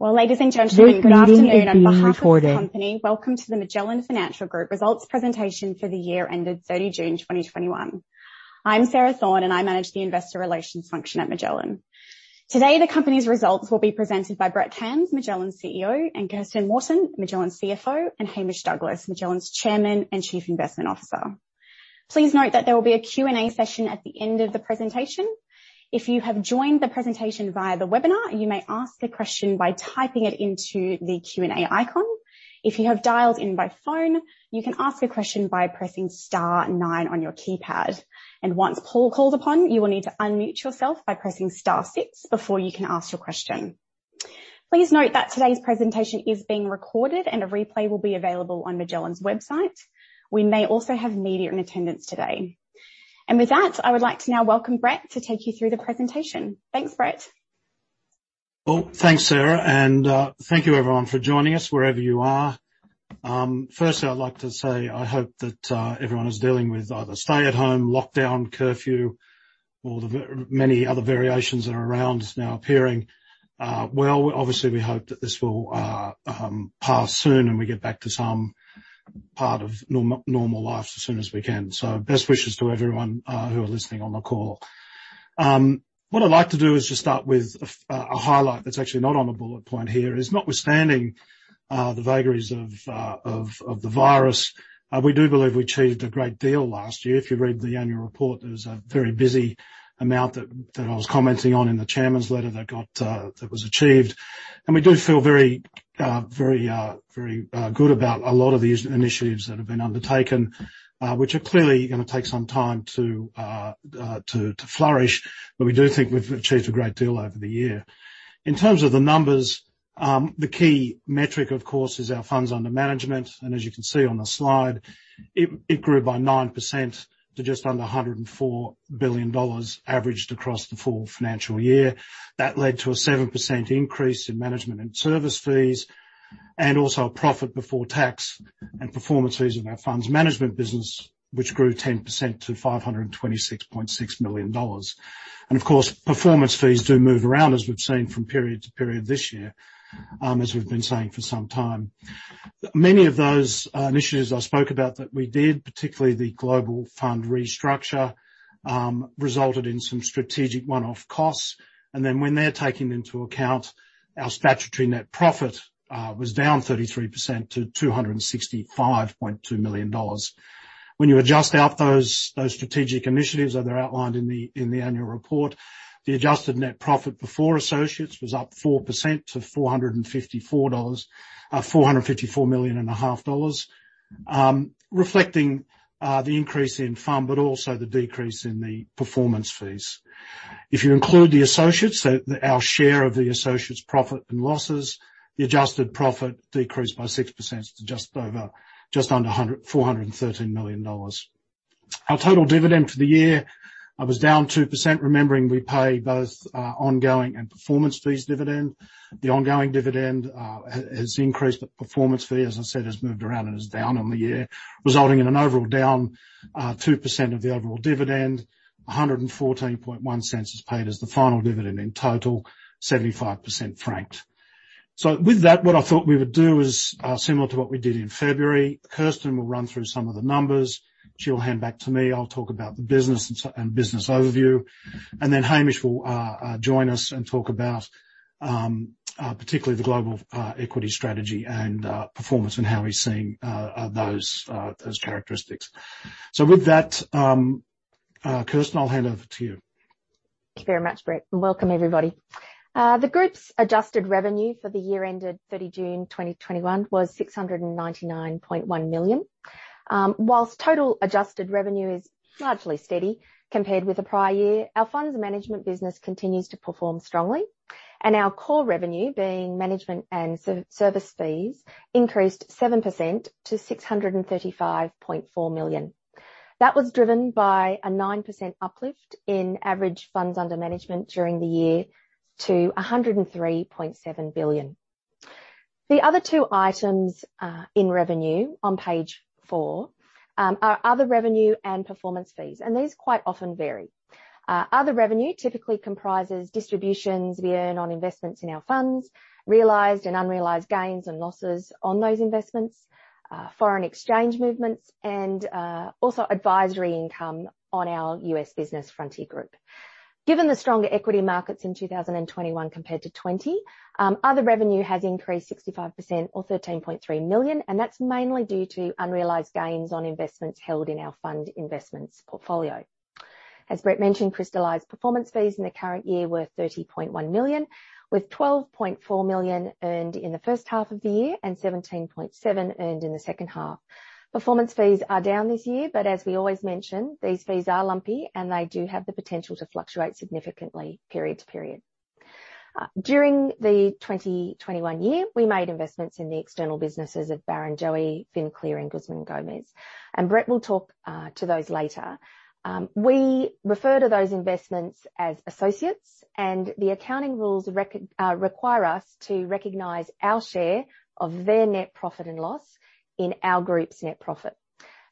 Well, ladies and gentlemen, good afternoon. On behalf of the company, welcome to the Magellan Financial Group results presentation for the year ended 30 June 2021. I'm Sarah Thorne, and I manage the investor relations function at Magellan. Today, the company's results will be presented by Brett Cairns, Magellan's CEO, and Kirsten Morton, Magellan's CFO, and Hamish Douglass, Magellan's Chairman and Chief Investment Officer. Please note that there will be a Q&A session at the end of the presentation. If you have joined the presentation via the webinar, you may ask a question by typing it into the Q&A icon. If you have dialed in by phone, you can ask a question by pressing star nine on your keypad. Once Paul calls upon you will need to unmute yourself by pressing star six before you can ask your question. Please note that today's presentation is being recorded, and a replay will be available on Magellan's website. We may also have media in attendance today. With that, I would like to now welcome Brett to take you through the presentation. Thanks, Brett. Well, thanks, Sarah, and thank you everyone for joining us wherever you are. Firstly, I'd like to say I hope that everyone is dealing with either stay-at-home, lockdown, curfew, or the many other variations that are around now appearing. Well, obviously, we hope that this will pass soon, and we get back to some part of normal life as soon as we can. Best wishes to everyone who are listening on the call. What I'd like to do is just start with a highlight that's actually not on a bullet point here, is notwithstanding the vagaries of the virus, we do believe we achieved a great deal last year. If you read the annual report, there's a very busy amount that I was commenting on in the chairman's letter that was achieved. We do feel very good about a lot of these initiatives that have been undertaken, which are clearly going to take some time to flourish. We do think we've achieved a great deal over the year. In terms of the numbers, the key metric, of course, is our funds under management. As you can see on the slide, it grew by 9% to just under 104 billion dollars averaged across the full financial year. That led to a 7% increase in management and service fees, also a profit before tax and performance fees of our funds management business, which grew 10% to 526.6 million dollars. Of course, performance fees do move around, as we've seen from period to period this year, as we've been saying for some time. Many of those initiatives I spoke about that we did, particularly the Global Fund Restructure, resulted in some strategic one-off costs. When they're taken into account, our statutory net profit was down 33% to 265.2 million dollars. When you adjust out those strategic initiatives, as they're outlined in the annual report, the adjusted net profit before associates was up 4% to 454.5 million dollars, reflecting the increase in fund, but also the decrease in the performance fees. If you include the associates, so our share of the associates' profit and loss, the adjusted profit decreased by 6% to just under 413 million dollars. Our total dividend for the year was down 2%, remembering we pay both ongoing and performance fees dividend. The ongoing dividend has increased, but performance fee, as I said, has moved around and is down on the year, resulting in an overall down 2% of the overall dividend. 1.141 is paid as the final dividend, in total, 75% franked. With that, what I thought we would do is similar to what we did in February. Kirsten will run through some of the numbers. She'll hand back to me, I'll talk about the business and business overview, and then Hamish will join us and talk about particularly the global equity strategy and performance and how he's seeing those characteristics. With that, Kirsten, I'll hand over to you. Thank you very much, Brett. Welcome everybody. The group's adjusted revenue for the year ended 30 June 2021 was 699.1 million. Whilst total adjusted revenue is largely steady compared with the prior year, our funds management business continues to perform strongly, and our core revenue, being management and service fees, increased 7% to 635.4 million. That was driven by a 9% uplift in average funds under management during the year to 103.7 billion. The other two items in revenue on page four are other revenue and performance fees. These quite often vary. Other revenue typically comprises distributions we earn on investments in our funds, realized and unrealized gains and losses on those investments, foreign exchange movements, and also advisory income on our U.S. business Frontier Group. Given the stronger equity markets in 2021 compared to 2020, other revenue has increased 65% or 13.3 million. That's mainly due to unrealized gains on investments held in our fund investments portfolio. As Brett mentioned, crystallized performance fees in the current year were 30.1 million, with 12.4 million earned in the first half of the year and 17.7 million earned in the second half. Performance fees are down this year. As we always mention, these fees are lumpy, and they do have the potential to fluctuate significantly period to period. During the 2021 year, we made investments in the external businesses of Barrenjoey, FinClear, and Guzman y Gomez. Brett will talk to those later. We refer to those investments as associates. The accounting rules require us to recognize our share of their net profit and loss in our group's net profit.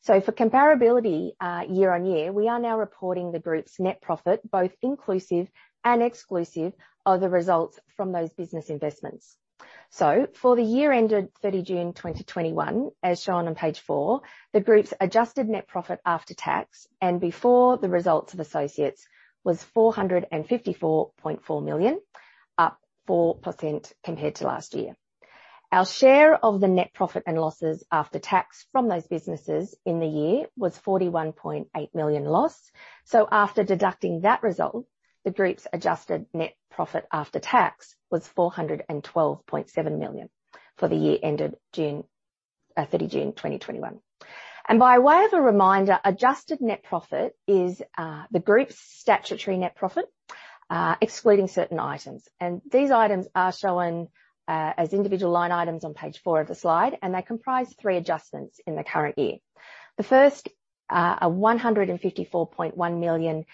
For comparability year-on-year, we are now reporting the group's net profit, both inclusive and exclusive of the results from those business investments. For the year ended 30 June 2021, as shown on page four, the group's adjusted net profit after tax and before the results of associates was 454.4 million, up 4% compared to last year. Our share of the net profit and losses after tax from those businesses in the year was 41.8 million loss. After deducting that result, the group's adjusted net profit after tax was 412.7 million for the year ended 30 June 2021. By way of a reminder, adjusted net profit is the group's statutory net profit, excluding certain items. These items are shown as individual line items on page four of the slide, and they comprise three adjustments in the current year. The first, an 154.1 million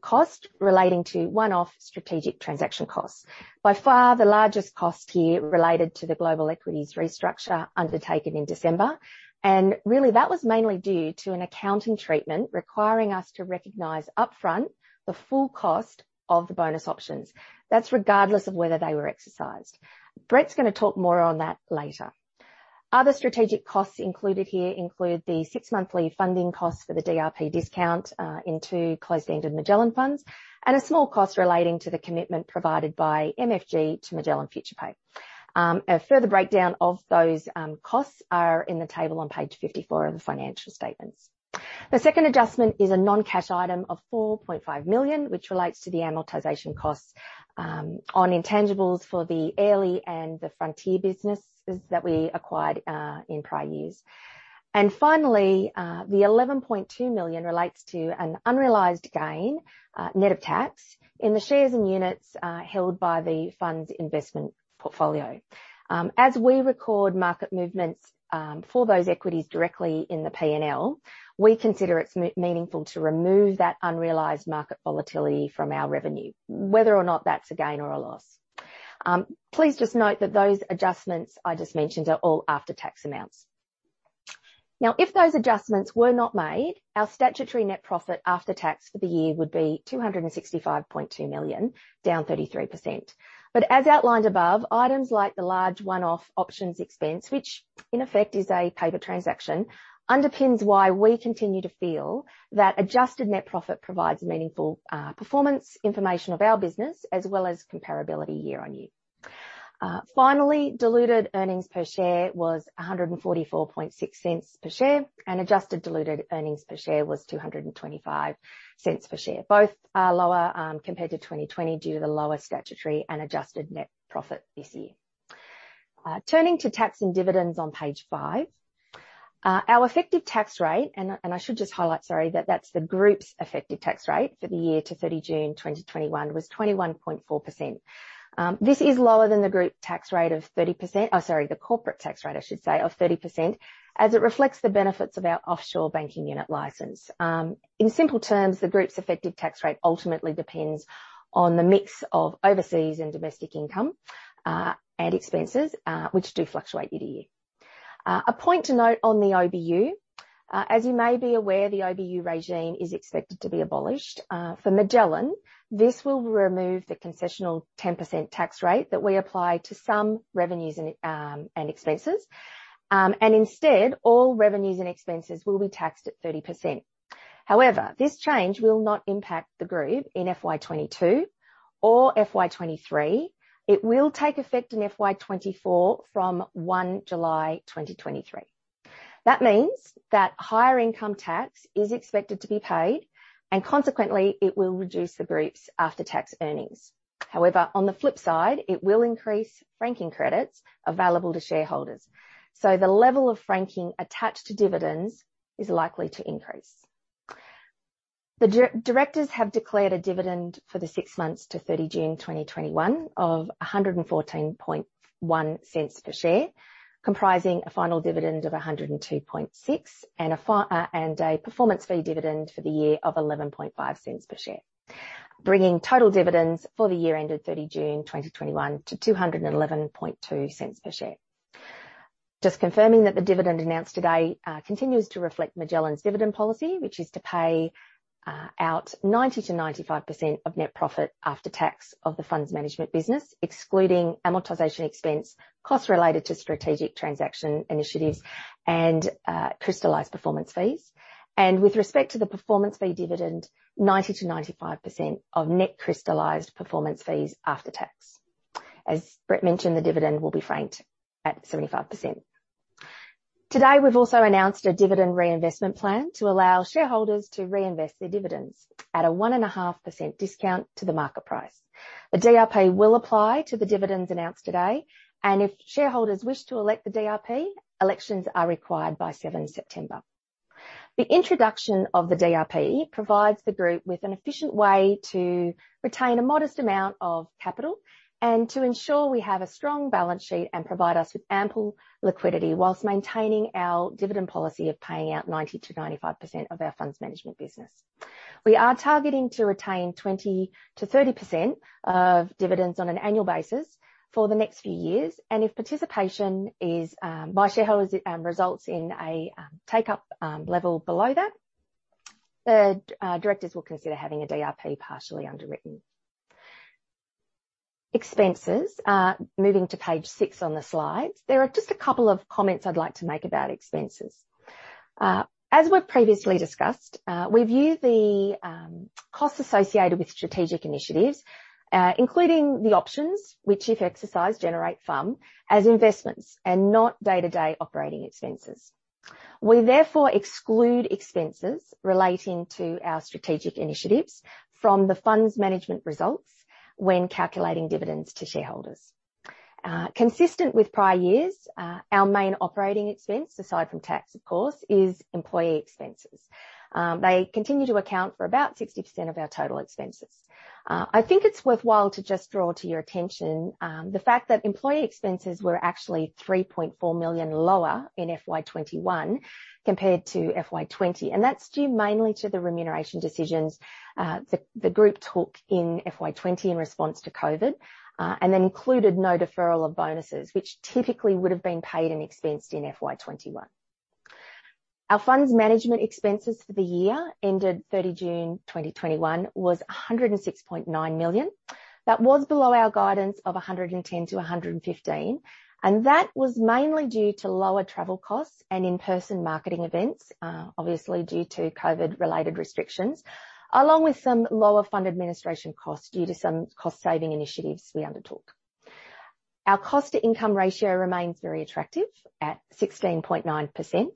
cost relating to one-off strategic transaction costs. By far, the largest cost here related to the global equities restructure undertaken in December. Really that was mainly due to an accounting treatment requiring us to recognize upfront the full cost of the bonus options. That's regardless of whether they were exercised. Brett's going to talk more on that later. Other strategic costs included here include the six monthly funding costs for the DRP discount into closed-ended Magellan funds, and a small cost relating to the commitment provided by MFG to Magellan FuturePay. A further breakdown of those costs are in the table on page 54 of the financial statements. The second adjustment is a non-cash item of 4.5 million, which relates to the amortization costs on intangibles for the Airlie and the Frontier businesses that we acquired in prior years. Finally, the 11.2 million relates to an unrealized gain, net of tax, in the shares and units held by the funds investment portfolio. As we record market movements for those equities directly in the P&L, we consider it meaningful to remove that unrealized market volatility from our revenue, whether or not that's a gain or a loss. Please just note that those adjustments I just mentioned are all after-tax amounts. If those adjustments were not made, our statutory net profit after tax for the year would be 265.2 million, down 33%. As outlined above, items like the large one-off options expense, which in effect is a paper transaction, underpins why we continue to feel that adjusted net profit provides meaningful performance information of our business, as well as comparability year-on-year. Finally, diluted earnings per share was 1.446 per share, and adjusted diluted earnings per share was 2.25 per share. Both are lower compared to 2020 due to the lower statutory and adjusted net profit this year. Turning to tax and dividends on page five. Our effective tax rate, and I should just highlight, sorry, that that's the group's effective tax rate for the year to 30 June 2021 was 21.4%. This is lower than the group tax rate of 30%, or sorry, the corporate tax rate, I should say, of 30%, as it reflects the benefits of our offshore banking unit license. In simple terms, the group's effective tax rate ultimately depends on the mix of overseas and domestic income, and expenses, which do fluctuate year to year. A point to note on the OBU. As you may be aware, the OBU regime is expected to be abolished. For Magellan, this will remove the concessional 10% tax rate that we apply to some revenues and expenses. Instead, all revenues and expenses will be taxed at 30%. This change will not impact the group in FY 2022 or FY 2023. It will take effect in FY 2024 from 1 July 2023. That means that higher income tax is expected to be paid. Consequently, it will reduce the group's after-tax earnings. On the flip side, it will increase franking credits available to shareholders. The level of franking attached to dividends is likely to increase. The directors have declared a dividend for the six months to 30 June 2021 of 1.141 per share, comprising a final dividend of 1.026 and a performance fee dividend for the year of 0.115 per share, bringing total dividends for the year ended 30 June 2021 to 2.112 per share. Just confirming that the dividend announced today continues to reflect Magellan's dividend policy, which is to pay out 90%-95% of net profit after tax of the funds management business, excluding amortization expense, costs related to strategic transaction initiatives, and crystallized performance fees. With respect to the performance fee dividend, 90%-95% of net crystallized performance fees after tax. As Brett mentioned, the dividend will be franked at 75%. Today, we've also announced a dividend reinvestment plan to allow shareholders to reinvest their dividends at a 1.5% discount to the market price. The DRP will apply to the dividends announced today, and if shareholders wish to elect the DRP, elections are required by 7 September. The introduction of the DRP provides the group with an efficient way to retain a modest amount of capital and to ensure we have a strong balance sheet and provide us with ample liquidity while maintaining our dividend policy of paying out 90%-95% of our funds management business. We are targeting to retain 20%-30% of dividends on an annual basis for the next few years. If participation by shareholders results in a take-up level below that, the directors will consider having a DRP partially underwritten. Expenses. Moving to page six on the slides. There are just a couple of comments I'd like to make about expenses. As we've previously discussed, we view the costs associated with strategic initiatives, including the options which, if exercised, generate FUM, as investments and not day-to-day operating expenses. We therefore exclude expenses relating to our strategic initiatives from the funds management results when calculating dividends to shareholders. Consistent with prior years, our main operating expense, aside from tax, of course, is employee expenses. They continue to account for about 60% of our total expenses. I think it's worthwhile to just draw to your attention the fact that employee expenses were actually 3.4 million lower in FY 2021 compared to FY 2020, and that's due mainly to the remuneration decisions the group took in FY 2020 in response to COVID, and then included no deferral of bonuses, which typically would've been paid and expensed in FY 2021. Our funds management expenses for the year ended 3rd of June 2021 was 106.9 million. That was below our guidance of 110 million-115 million, and that was mainly due to lower travel costs and in-person marketing events, obviously due to COVID-related restrictions, along with some lower fund administration costs due to some cost saving initiatives we undertook. Our cost to income ratio remains very attractive at 16.9%.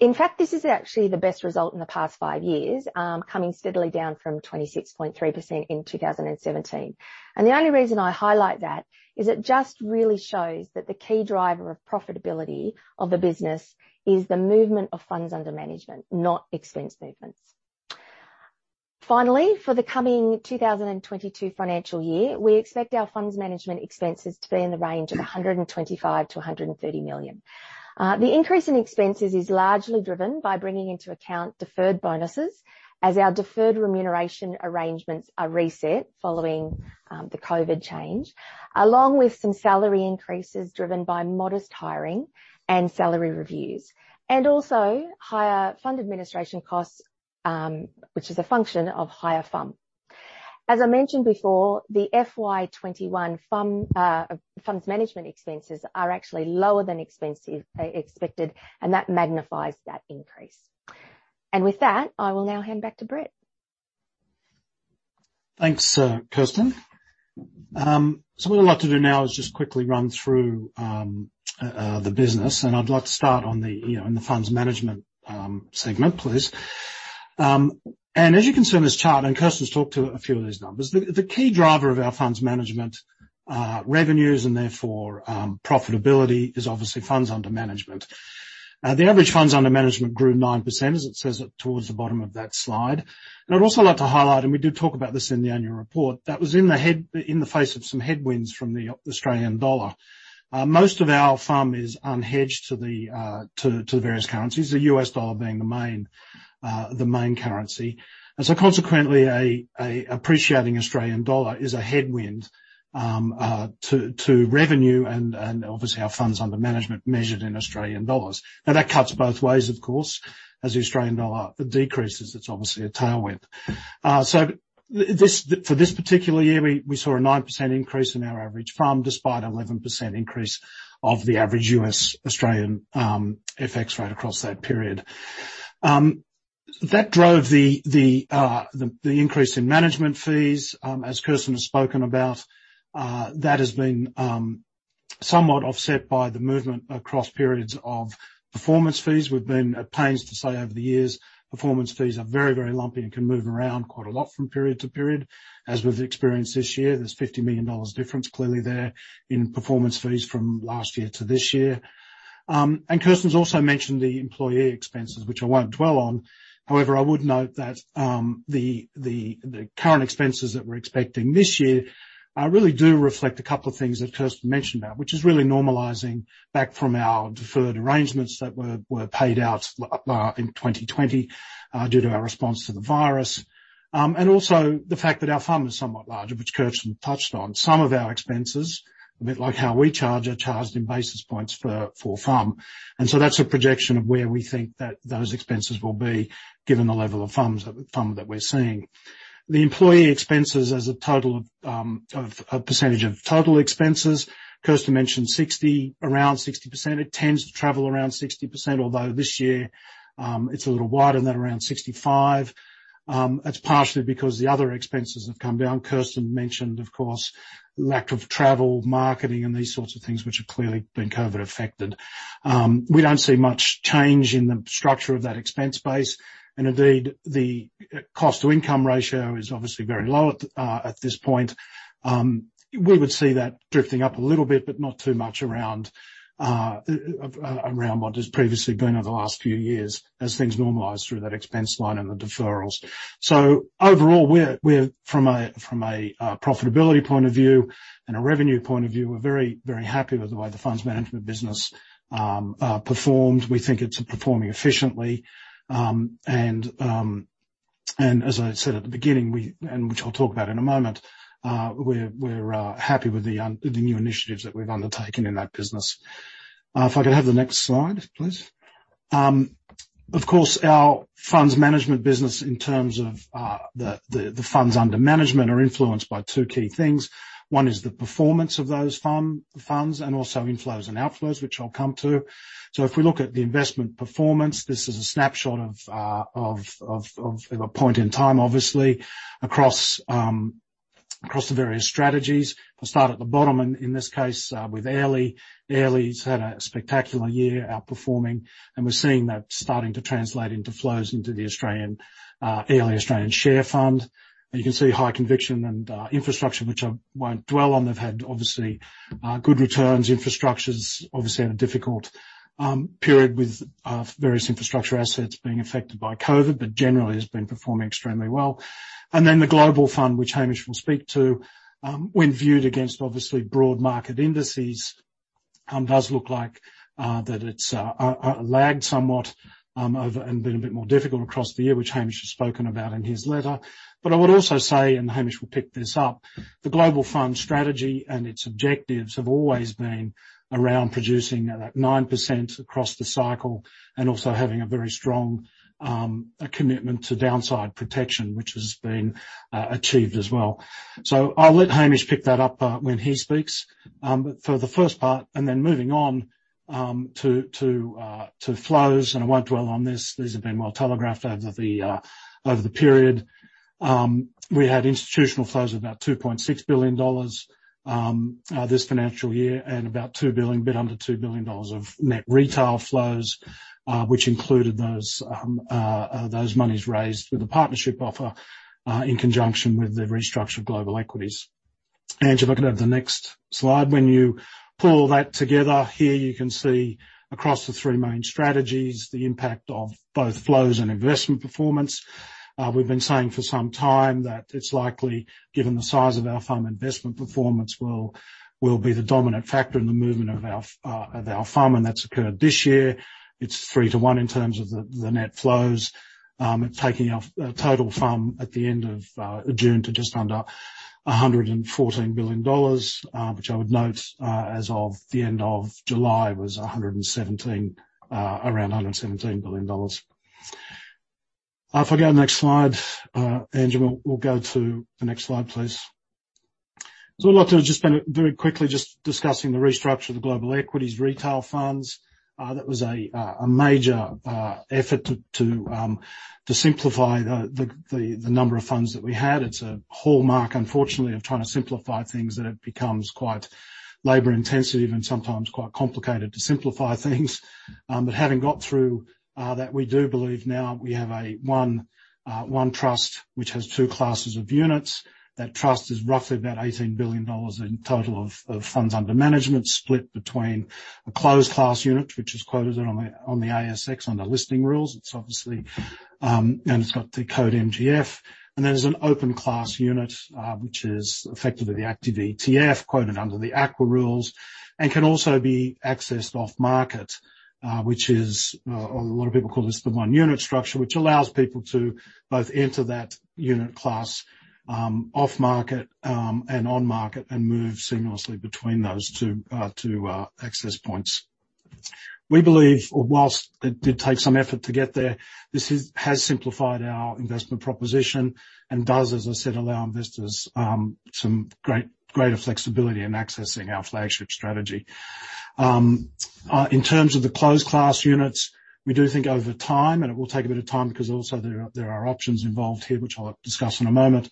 In fact, this is actually the best result in the past five years, coming steadily down from 26.3% in 2017. The only reason I highlight that is it just really shows that the key driver of profitability of the business is the movement of funds under management, not expense movements. Finally, for the coming 2022 financial year, we expect our funds management expenses to be in the range of 125 million-130 million. The increase in expenses is largely driven by bringing into account deferred bonuses as our deferred remuneration arrangements are reset following the COVID change, along with some salary increases driven by modest hiring and salary reviews, and also higher fund administration costs, which is a function of higher FUM. As I mentioned before, the FY 2021 funds management expenses are actually lower than expected, and that magnifies that increase. With that, I will now hand back to Brett. Thanks, Kirsten. What I'd like to do now is just quickly run through the business, and I'd like to start in the funds management segment, please. As you can see on this chart, and Kirsten's talked to a few of these numbers, the key driver of our funds management revenues and therefore profitability is obviously funds under management. The average funds under management grew 9%, as it says towards the bottom of that slide. I'd also like to highlight, and we do talk about this in the annual report, that was in the face of some headwinds from the Australian dollar. Most of our FUM is unhedged to the various currencies, the US dollar being the main currency. Consequently, an appreciating Australian dollar is a headwind to revenue and obviously our funds under management measured in Australian dollars. Now, that cuts both ways, of course. As the Australian dollar decreases, it's obviously a tailwind. For this particular year, we saw a 9% increase in our average FUM, despite an 11% increase of the average U.S./Australian FX rate across that period. That drove the increase in management fees, as Kirsten has spoken about. That has been somewhat offset by the movement across periods of performance fees. We've been at pains to say over the years, performance fees are very lumpy and can move around quite a lot from period to period. As we've experienced this year, there's 50 million dollars difference clearly there in performance fees from last year to this year. Kirsten's also mentioned the employee expenses, which I won't dwell on. However, I would note that the current expenses that we're expecting this year really do reflect a couple of things that Kirsten mentioned about, which is really normalizing back from our deferred arrangements that were paid out in 2020 due to our response to the virus. Also the fact that our FUM is somewhat larger, which Kirsten touched on. Some of our expenses, a bit like how we charge, are charged in basis points for FUM. That's a projection of where we think that those expenses will be given the level of FUM that we're seeing. The employee expenses as a percentage of total expenses, Kirsten mentioned 60, around 60%. It tends to travel around 60%, although this year, it's a little wider, around 65%. It's partially because the other expenses have come down. Kirsten mentioned, of course, lack of travel, marketing, and these sorts of things, which have clearly been COVID-affected. We don't see much change in the structure of that expense base. Indeed, the cost-to-income ratio is obviously very low at this point. We would see that drifting up a little bit, but not too much around what has previously been over the last few years as things normalize through that expense line and the deferrals. Overall, from a profitability point of view and a revenue point of view, we're very happy with the way the funds management business performed. We think it's performing efficiently, and as I said at the beginning, and which I'll talk about in a moment, we're happy with the new initiatives that we've undertaken in that business. If I could have the next slide, please. Of course, our funds management business in terms of the funds under management are influenced by two key things. One is the performance of those funds, and also inflows and outflows, which I'll come to. If we look at the investment performance, this is a snapshot of a point in time, obviously, across the various strategies. I'll start at the bottom, and in this case, with Airlie. Airlie's had a spectacular year outperforming, and we're seeing that starting to translate into flows into the Airlie Australian Share Fund. You can see High Conviction and Infrastructure, which I won't dwell on. They've had obviously good returns. Infrastructure's obviously had a difficult period with various infrastructure assets being affected by COVID, but generally has been performing extremely well. Then the Global Fund, which Hamish will speak to, when viewed against obviously broad market indices, does look like that it's lagged somewhat, and been a bit more difficult across the year, which Hamish has spoken about in his letter. I would also say, Hamish will pick this up, the Global Fund strategy and its objectives have always been around producing that 9% across the cycle, and also having a very strong commitment to downside protection, which has been achieved as well. I'll let Hamish pick that up when he speaks. For the first part, then moving on to flows, I won't dwell on this. These have been well telegraphed over the period. We had institutional flows of about 2.6 billion dollars this financial year, and a bit under 2 billion dollars of net retail flows, which included those monies raised through the partnership offer, in conjunction with the restructured global equities. Ange, if I could have the next slide. When you pull all that together, here you can see across the three main strategies, the impact of both flows and investment performance. We've been saying for some time that it's likely, given the size of our FUM, investment performance will be the dominant factor in the movement of our FUM, and that's occurred this year. It's three to one in terms of the net flows, taking our total FUM at the end of June to just under 114 billion dollars, which I would note as of the end of July was around 117 billion dollars. If I go next slide, Angela, we will go to the next slide, please. I would like to just spend, very quickly, just discussing the restructure of the global equities retail funds. That was a major effort to simplify the number of funds that we had. It is a hallmark, unfortunately, of trying to simplify things, that it becomes quite labor intensive and sometimes quite complicated to simplify things. Having got through that, we do believe now we have one trust which has two classes of units. That trust is roughly about 18 billion dollars in total of funds under management, split between a closed class unit, which is quoted on the ASX under listing rules, and it has got the code MGF. There's an open class unit, which is effectively the active ETF quoted under the AQUA Rules, and can also be accessed off market, a lot of people call this the one unit structure, which allows people to both enter that unit class off market and on market, and move seamlessly between those two access points. We believe, whilst it did take some effort to get there, this has simplified our investment proposition, and does, as I said, allow investors some greater flexibility in accessing our flagship strategy. In terms of the closed class units, we do think over time, and it will take a bit of time because also there are options involved here, which I'll discuss in a moment,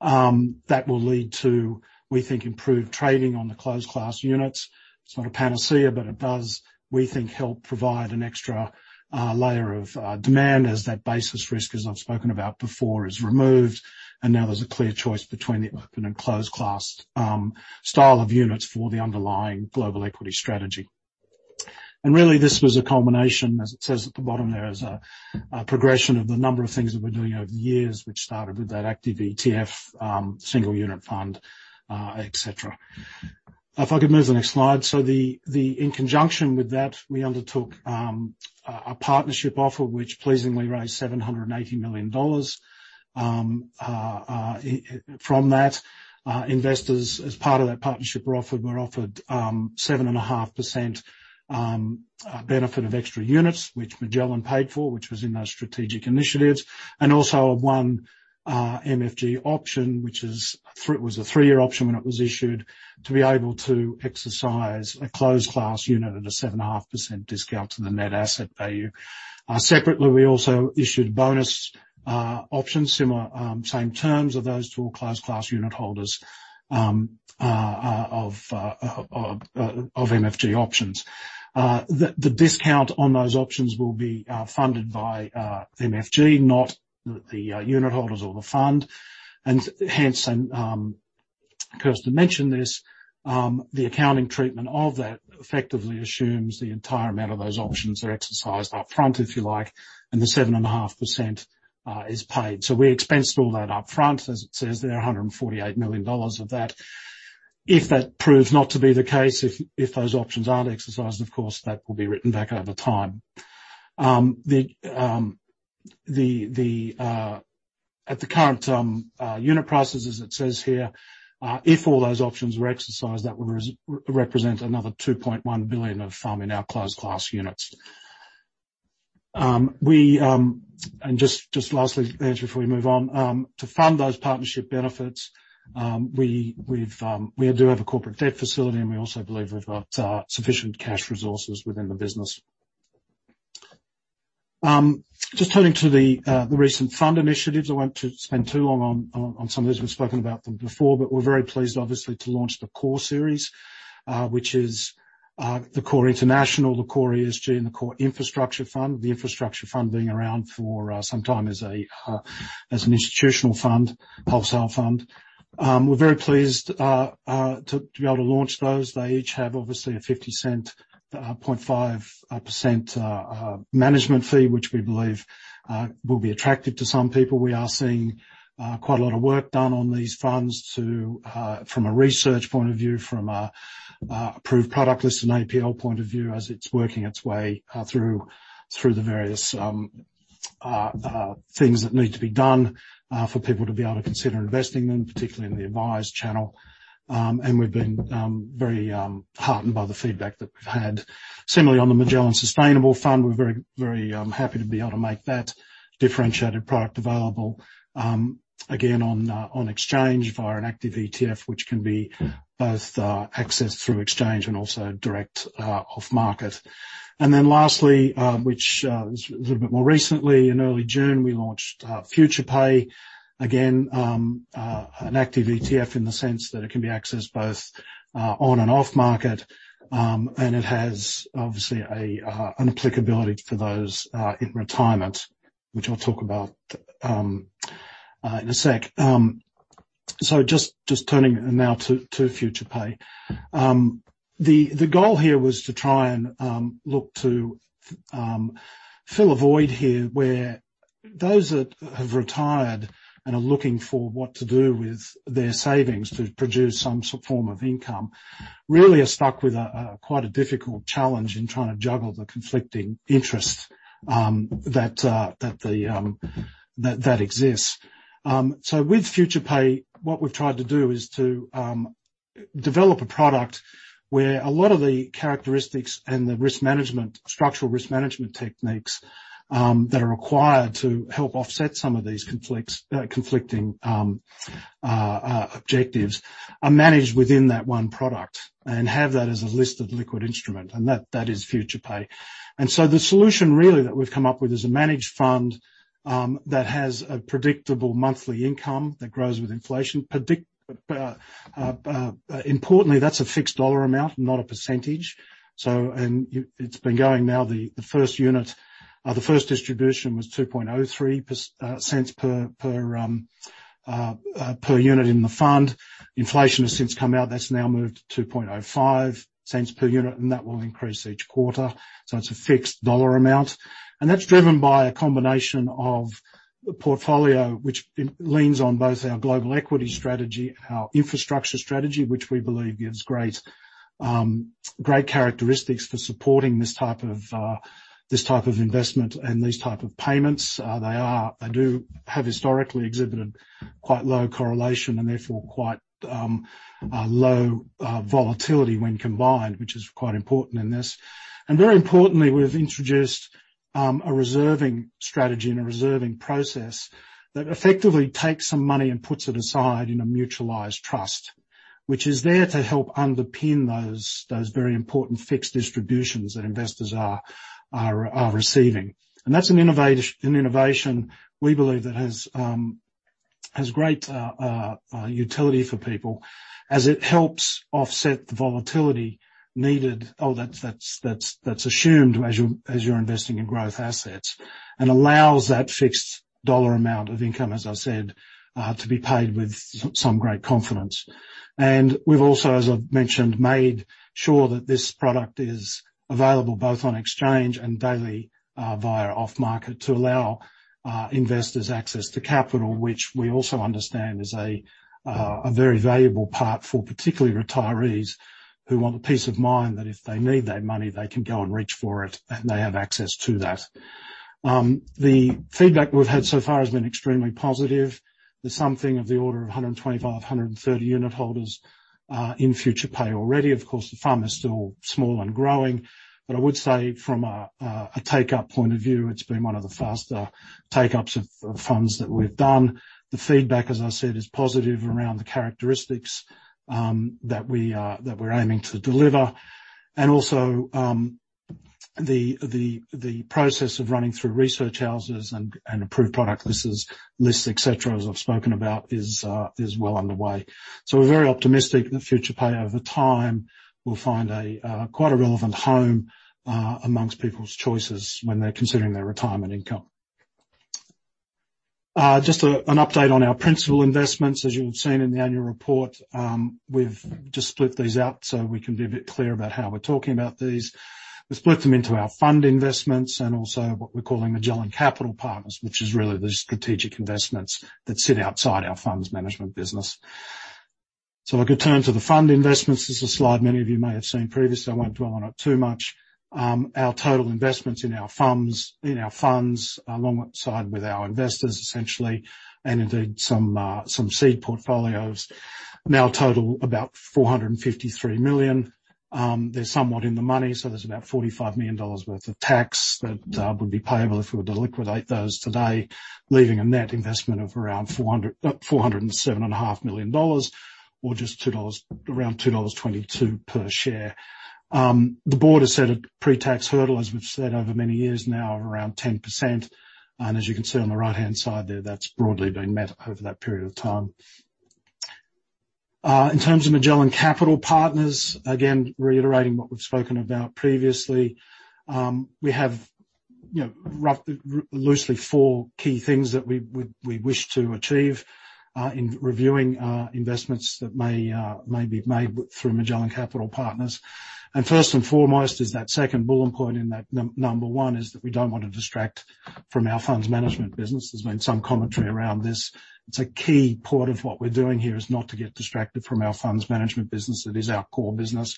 that will lead to, we think, improved trading on the closed class units. It's not a panacea, but it does, we think, help provide an extra layer of demand as that basis risk, as I've spoken about before, is removed, and now there's a clear choice between the open and closed class style of units for the underlying global equity strategy. Really, this was a culmination, as it says at the bottom there, is a progression of the number of things that we're doing over the years, which started with that active ETF, single unit fund, et cetera. If I could move the next slide. In conjunction with that, we undertook a partnership offer, which pleasingly raised 780 million dollars. From that, investors, as part of that partnership, were offered 7.5% benefit of extra units, which Magellan paid for, which was in those strategic initiatives. Also a 1 MGF option, which was a three-year option when it was issued, to be able to exercise a closed class unit at a 7.5% discount to the net asset value. Separately, we also issued bonus options, same terms of those to all closed class unit holders of MGF options. The discount on those options will be funded by MGF, not the unit holders or the fund, and hence Kirsten mentioned this, the accounting treatment of that effectively assumes the entire amount of those options are exercised up front, if you like, and the 7.5% is paid. We expensed all that up front. As it says there, 148 million dollars of that. If that proves not to be the case, if those options aren't exercised, of course, that will be written back over time. At the current unit prices, as it says here, if all those options were exercised, that would represent another 2.1 billion of fund in our closed class units. Just lastly, Andrew, before we move on, to fund those partnership benefits, we do have a corporate debt facility, and we also believe we've got sufficient cash resources within the business. Just turning to the recent fund initiatives, I won't spend too long on some of these. We've spoken about them before. We're very pleased, obviously, to launch the Core Series, which is the Core International, the Core ESG, and the Core Infrastructure Fund. The Infrastructure Fund being around for some time as an institutional fund, wholesale fund. We're very pleased to be able to launch those. They each have, obviously, an 0.50, 0.5% management fee, which we believe will be attractive to some people. We are seeing quite a lot of work done on these funds from a research point of view, from an approved product list, an APL point of view, as it's working its way through the various things that need to be done for people to be able to consider investing in them, particularly in the advise channel. We've been very heartened by the feedback that we've had. Similarly, on the Magellan Sustainable Fund, we're very happy to be able to make that differentiated product available, again, on exchange via an active ETF, which can be both accessed through exchange and also direct off market. Lastly, which was a little bit more recently, in early June, we launched FuturePay. Again, an active ETF in the sense that it can be accessed both on and off market. It has, obviously, an applicability for those in retirement, which I'll talk about in a sec. Just turning now to FuturePay. The goal here was to try and look to fill a void here, where those that have retired and are looking for what to do with their savings to produce some form of income really are stuck with quite a difficult challenge in trying to juggle the conflicting interests that exists. With FuturePay, what we've tried to do is to develop a product where a lot of the characteristics and the risk management, structural risk management techniques that are required to help offset some of these conflicting objectives are managed within that one product and have that as a listed liquid instrument, and that is FuturePay. The solution really that we've come up with is a managed fund that has a predictable monthly income that grows with inflation. Importantly, that's a fixed dollar amount, not a percentage. It's been going now, the first unit, the first distribution was 0.0203 per unit in the fund. Inflation has since come out. That's now moved to 0.0205 per unit, and that will increase each quarter. It's a fixed dollar amount. That's driven by a combination of a portfolio which leans on both our global equity strategy, our infrastructure strategy, which we believe gives great characteristics for supporting this type of investment and these type of payments. They do have historically exhibited quite low correlation and therefore quite low volatility when combined, which is quite important in this. Very importantly, we've introduced a reserving strategy and a reserving process that effectively takes some money and puts it aside in a mutualized trust, which is there to help underpin those very important fixed distributions that investors are receiving. That's an innovation we believe that has great utility for people as it helps offset the volatility needed or that's assumed as you're investing in growth assets and allows that fixed dollar amount of income, as I said, to be paid with some great confidence. We've also, as I've mentioned, made sure that this product is available both on exchange and daily via off market to allow investors access to capital, which we also understand is a very valuable part for particularly retirees who want the peace of mind that if they need that money, they can go and reach for it, and they have access to that. The feedback we've had so far has been extremely positive. There's something of the order of 125, 130 unit holders in FuturePay already. The fund is still small and growing, but I would say from a take-up point of view, it's been one of the faster take-ups of funds that we've done. The feedback, as I said, is positive around the characteristics that we're aiming to deliver. The process of running through research houses and approved product lists, et cetera, as I've spoken about, is well underway. We're very optimistic that FuturePay over time will find quite a relevant home amongst people's choices when they're considering their retirement income. Just an update on our principal investments. As you would've seen in the annual report, we've just split these out so we can be a bit clear about how we're talking about these. We've split them into our fund investments and also what we're calling Magellan Capital Partners, which is really the strategic investments that sit outside our funds management business. If I could turn to the fund investments, this is a slide many of you may have seen previously, I won't dwell on it too much. Our total investments in our funds, alongside with our investors essentially, and indeed some seed portfolios, now total about 453 million. They're somewhat in the money, there's about 45 million dollars worth of tax that would be payable if we were to liquidate those today, leaving a net investment of around 407.5 million dollars or just around 2.22 dollars per share. The board has set a pre-tax hurdle, as we've said over many years now, of around 10%. As you can see on the right-hand side there, that's broadly been met over that period of time. In terms of Magellan Capital Partners, again, reiterating what we've spoken about previously, we have loosely four key things that we wish to achieve, in reviewing investments that may be made through Magellan Capital Partners. First and foremost is that second bullet point in that number one, is that we don't want to distract from our funds management business. There's been some commentary around this. It's a key part of what we're doing here, is not to get distracted from our funds management business. That is our core business.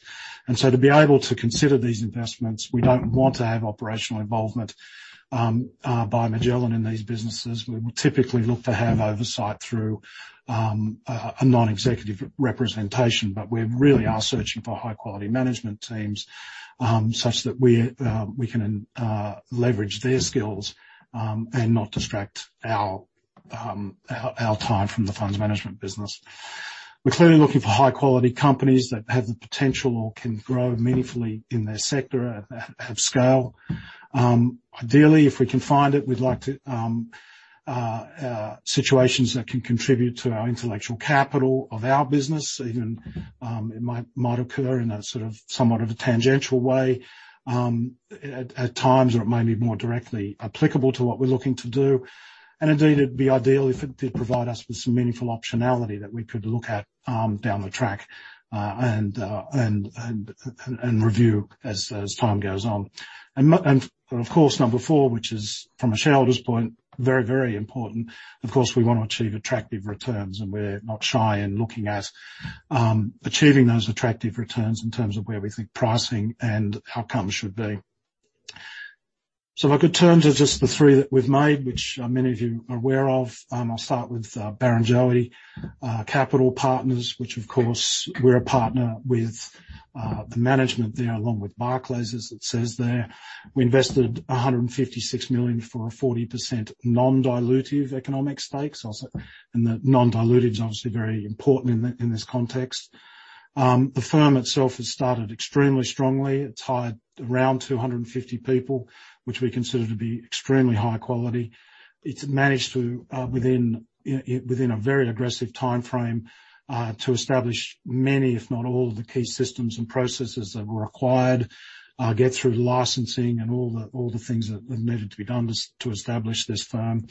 To be able to consider these investments, we don't want to have operational involvement by Magellan in these businesses. We would typically look to have oversight through a non-executive representation, but we really are searching for high-quality management teams, such that we can leverage their skills, and not distract our time from the funds management business. We're clearly looking for high-quality companies that have the potential or can grow meaningfully in their sector, have scale. Ideally, if we can find it, we'd like situations that can contribute to our intellectual capital of our business, even it might occur in a sort of somewhat of a tangential way, at times, or it may be more directly applicable to what we're looking to do. Indeed, it'd be ideal if it did provide us with some meaningful optionality that we could look at down the track, and review as time goes on. Of course, number four, which is from a shareholder's point, very important. Of course, we want to achieve attractive returns, and we're not shy in looking at achieving those attractive returns in terms of where we think pricing and outcomes should be. If I could turn to just the three that we've made, which many of you are aware of. I'll start with Barrenjoey Capital Partners, which of course we're a partner with the management there, along with Barclays, as it says there. We invested 156 million for a 40% non-dilutive economic stake. The non-dilutive is obviously very important in this context. The firm itself has started extremely strongly. It's hired around 250 people, which we consider to be extremely high quality. It's managed to, within a very aggressive timeframe, to establish many, if not all of the key systems and processes that were required, get through licensing and all the things that have needed to be done to establish this firm.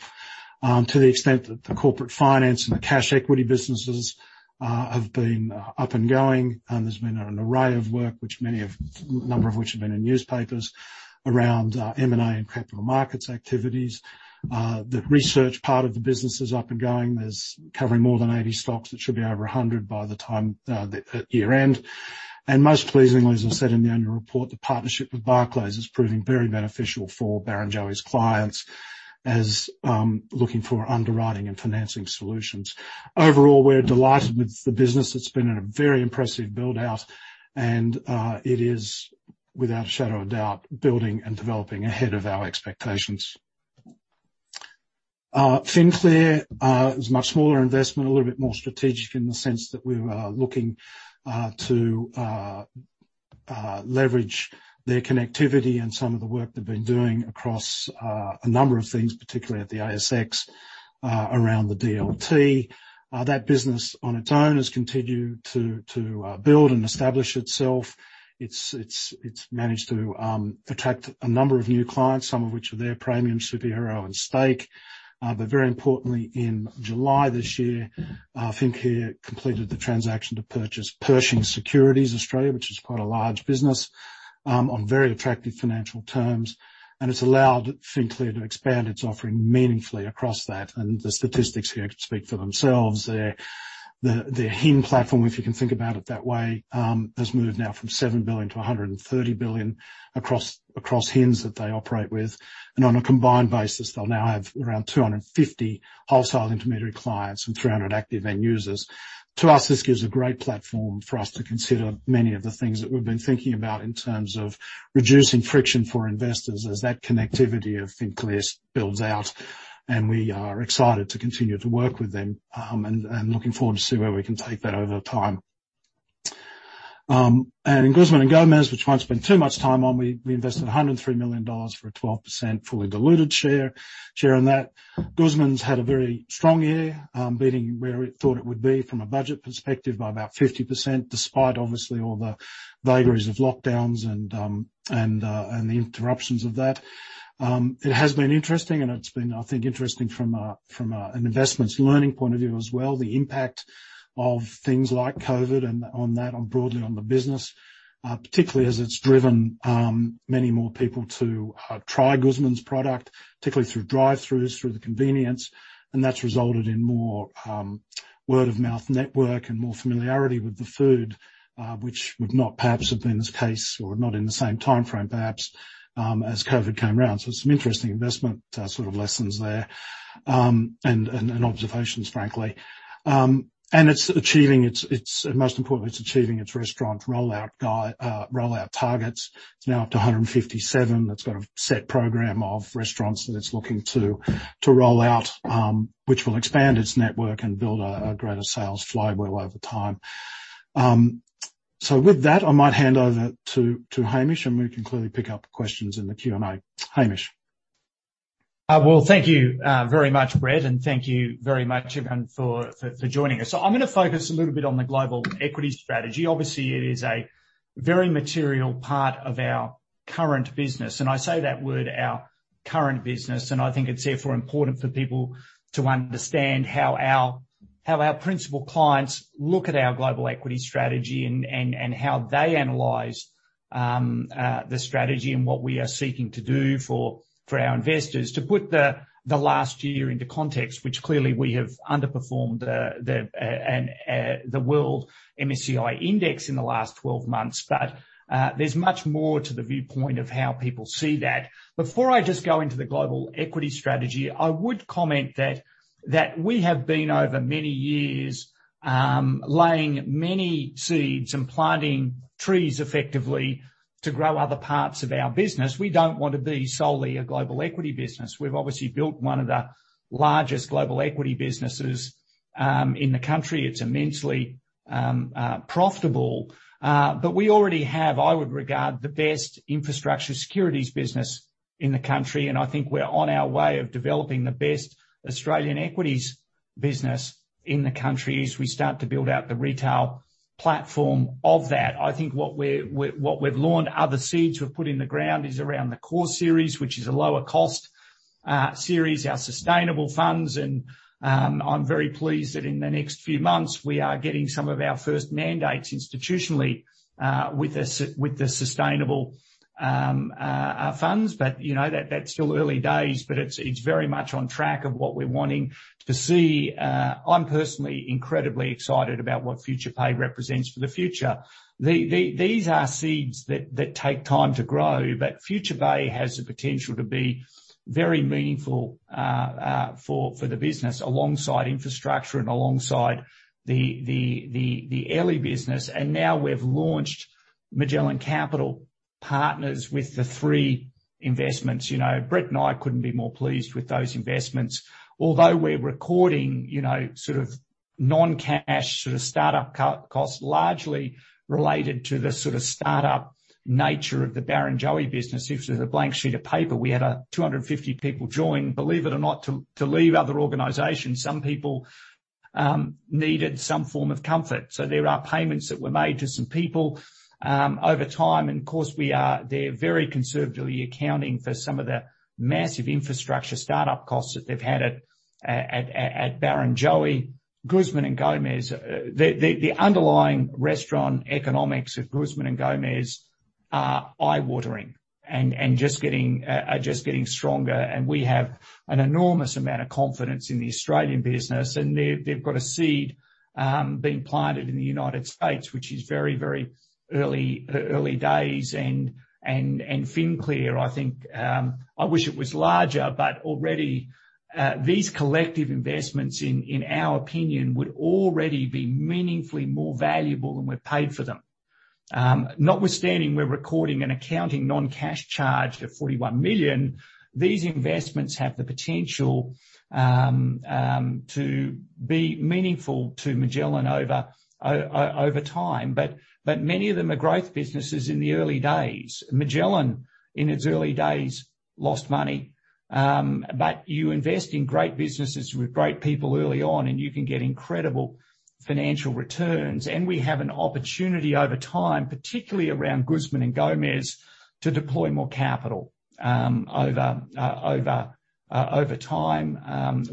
To the extent that the corporate finance and the cash equity businesses have been up and going, there has been an array of work, a number of which have been in newspapers around M&A and capital markets activities. The research part of the business is up and going. There is covering more than 80 stocks. It should be over 100 by the time at year-end. Most pleasingly, as I said in the annual report, the partnership with Barclays is proving very beneficial for Barrenjoey's clients as looking for underwriting and financing solutions. Overall, we are delighted with the business. It has been a very impressive build-out and, it is without a shadow of a doubt, building and developing ahead of our expectations. FinClear is a much smaller investment, a little bit more strategic in the sense that we were looking to leverage their connectivity and some of the work they've been doing across a number of things, particularly at the ASX, around the DLT. That business on its own has continued to build and establish itself. It's managed to attract a number of new clients, some of which are their Praemium, Superhero, and Stake. Very importantly, in July this year, FinClear completed the transaction to purchase Pershing Securities Australia, which is quite a large business, on very attractive financial terms, and it's allowed FinClear to expand its offering meaningfully across that. The statistics here speak for themselves. Their HIN platform, if you can think about it that way, has moved now from 7 billion to 130 billion across HINs that they operate with. On a combined basis, they'll now have around 250 wholesale intermediary clients and 300 active end users. To us, this gives a great platform for us to consider many of the things that we've been thinking about in terms of reducing friction for investors as that connectivity of FinClear's builds out, and we are excited to continue to work with them, and looking forward to see where we can take that over time. In Guzman y Gomez, which won't spend too much time on, we invested 103 million dollars for a 12% fully diluted share on that. Guzman's had a very strong year, beating where it thought it would be from a budget perspective by about 50%, despite obviously all the vagaries of lockdowns and the interruptions of that. It has been interesting, and it's been, I think, interesting from an investments learning point of view as well, the impact of things like COVID on that broadly on the business, particularly as it's driven many more people to try Guzman's product, particularly through drive-throughs, through the convenience. That's resulted in more word-of-mouth network and more familiarity with the food, which would not perhaps have been the case or not in the same timeframe, perhaps, as COVID came around. Some interesting investment sort of lessons there, and observations, frankly. Most importantly, it's achieving its restaurant rollout targets. It's now up to 157. It's got a set program of restaurants that it's looking to roll out, which will expand its network and build a greater sales flywheel over time. With that, I might hand over to Hamish, and we can clearly pick up questions in the Q&A. Hamish. Well, thank you very much, Brett. Thank you very much everyone for joining us. I'm going to focus a little bit on the global equity strategy. Obviously, it is a very material part of our current business. I say that word, our current business. I think it's therefore important for people to understand how our principal clients look at our global equity strategy and how they analyze the strategy and what we are seeking to do for our investors. To put the last year into context, which clearly we have underperformed the MSCI World Index in the last 12 months. There's much more to the viewpoint of how people see that. Before I just go into the global equity strategy, I would comment that we have been over many years, laying many seeds and planting trees effectively to grow other parts of our business. We don't want to be solely a global equity business. We've obviously built one of the largest global equity businesses in the country. It's immensely profitable. We already have, I would regard, the best infrastructure securities business in the country, and I think we're on our way of developing the best Australian equities business in the country as we start to build out the retail platform of that. I think what we've launched, other seeds we've put in the ground is around the Core Series, which is a lower cost series, our Sustainable Funds, and I'm very pleased that in the next few months, we are getting some of our first mandates institutionally, with the Sustainable Funds. That's still early days, but it's very much on track of what we're wanting to see. I'm personally incredibly excited about what FuturePay represents for the future. These are seeds that take time to grow, but FuturePay has the potential to be very meaningful for the business alongside infrastructure and alongside the Airlie business. Now we've launched Magellan Capital Partners with the three investments. Brett and I couldn't be more pleased with those investments. Although we're recording sort of non-cash sort of startup costs, largely related to the sort of startup nature of the Barrenjoey business. It was a blank sheet of paper. We had 250 people join, believe it or not, to leave other organizations. Some people needed some form of comfort. There are payments that were made to some people. Over time, and of course, they're very conservatively accounting for some of the massive infrastructure startup costs that they've had at Barrenjoey. Guzman y Gomez, the underlying restaurant economics of Guzman y Gomez are eye-watering and are just getting stronger, and we have an enormous amount of confidence in the Australian business, and they've got a seed being planted in the U.S., which is very early days, and FinClear, I think, I wish it was larger, but already, these collective investments, in our opinion, would already be meaningfully more valuable than we paid for them. Notwithstanding we're recording an accounting non-cash charge of 41 million, these investments have the potential to be meaningful to Magellan over time. Many of them are growth businesses in the early days. Magellan, in its early days, lost money, but you invest in great businesses with great people early on, and you can get incredible financial returns. We have an opportunity over time, particularly around Guzman Gomez, to deploy more capital over time.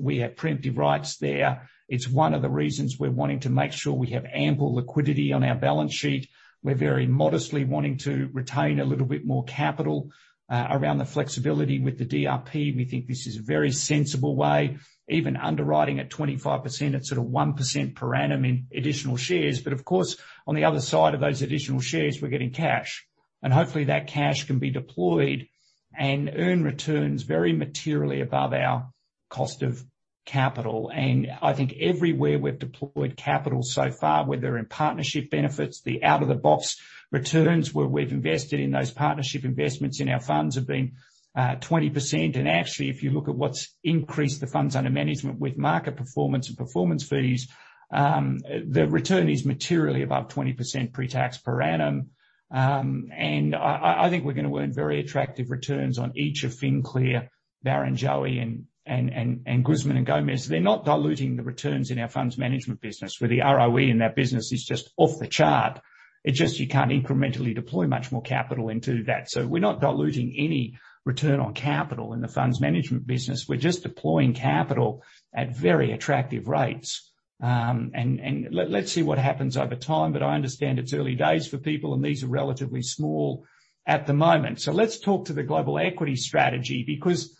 We have preemptive rights there. It's one of the reasons we're wanting to make sure we have ample liquidity on our balance sheet. We're very modestly wanting to retain a little bit more capital around the flexibility with the DRP. We think this is a very sensible way, even underwriting at 25%, at sort of 1% per annum in additional shares. Of course, on the other side of those additional shares, we're getting cash, and hopefully, that cash can be deployed and earn returns very materially above our cost of capital. I think everywhere we've deployed capital so far, whether in partnership benefits, the out-of-the-box returns where we've invested in those partnership investments in our funds have been 20%. Actually, if you look at what's increased the funds under management with market performance and performance fees, the return is materially above 20% pre-tax per annum. I think we're going to earn very attractive returns on each of FinClear, Barrenjoey, and Guzman y Gomez. They're not diluting the returns in our funds management business, where the ROE in that business is just off the chart. It's just you can't incrementally deploy much more capital into that. We're not diluting any return on capital in the funds management business. We're just deploying capital at very attractive rates. Let's see what happens over time, but I understand it's early days for people, and these are relatively small at the moment. Let's talk to the global equity strategy because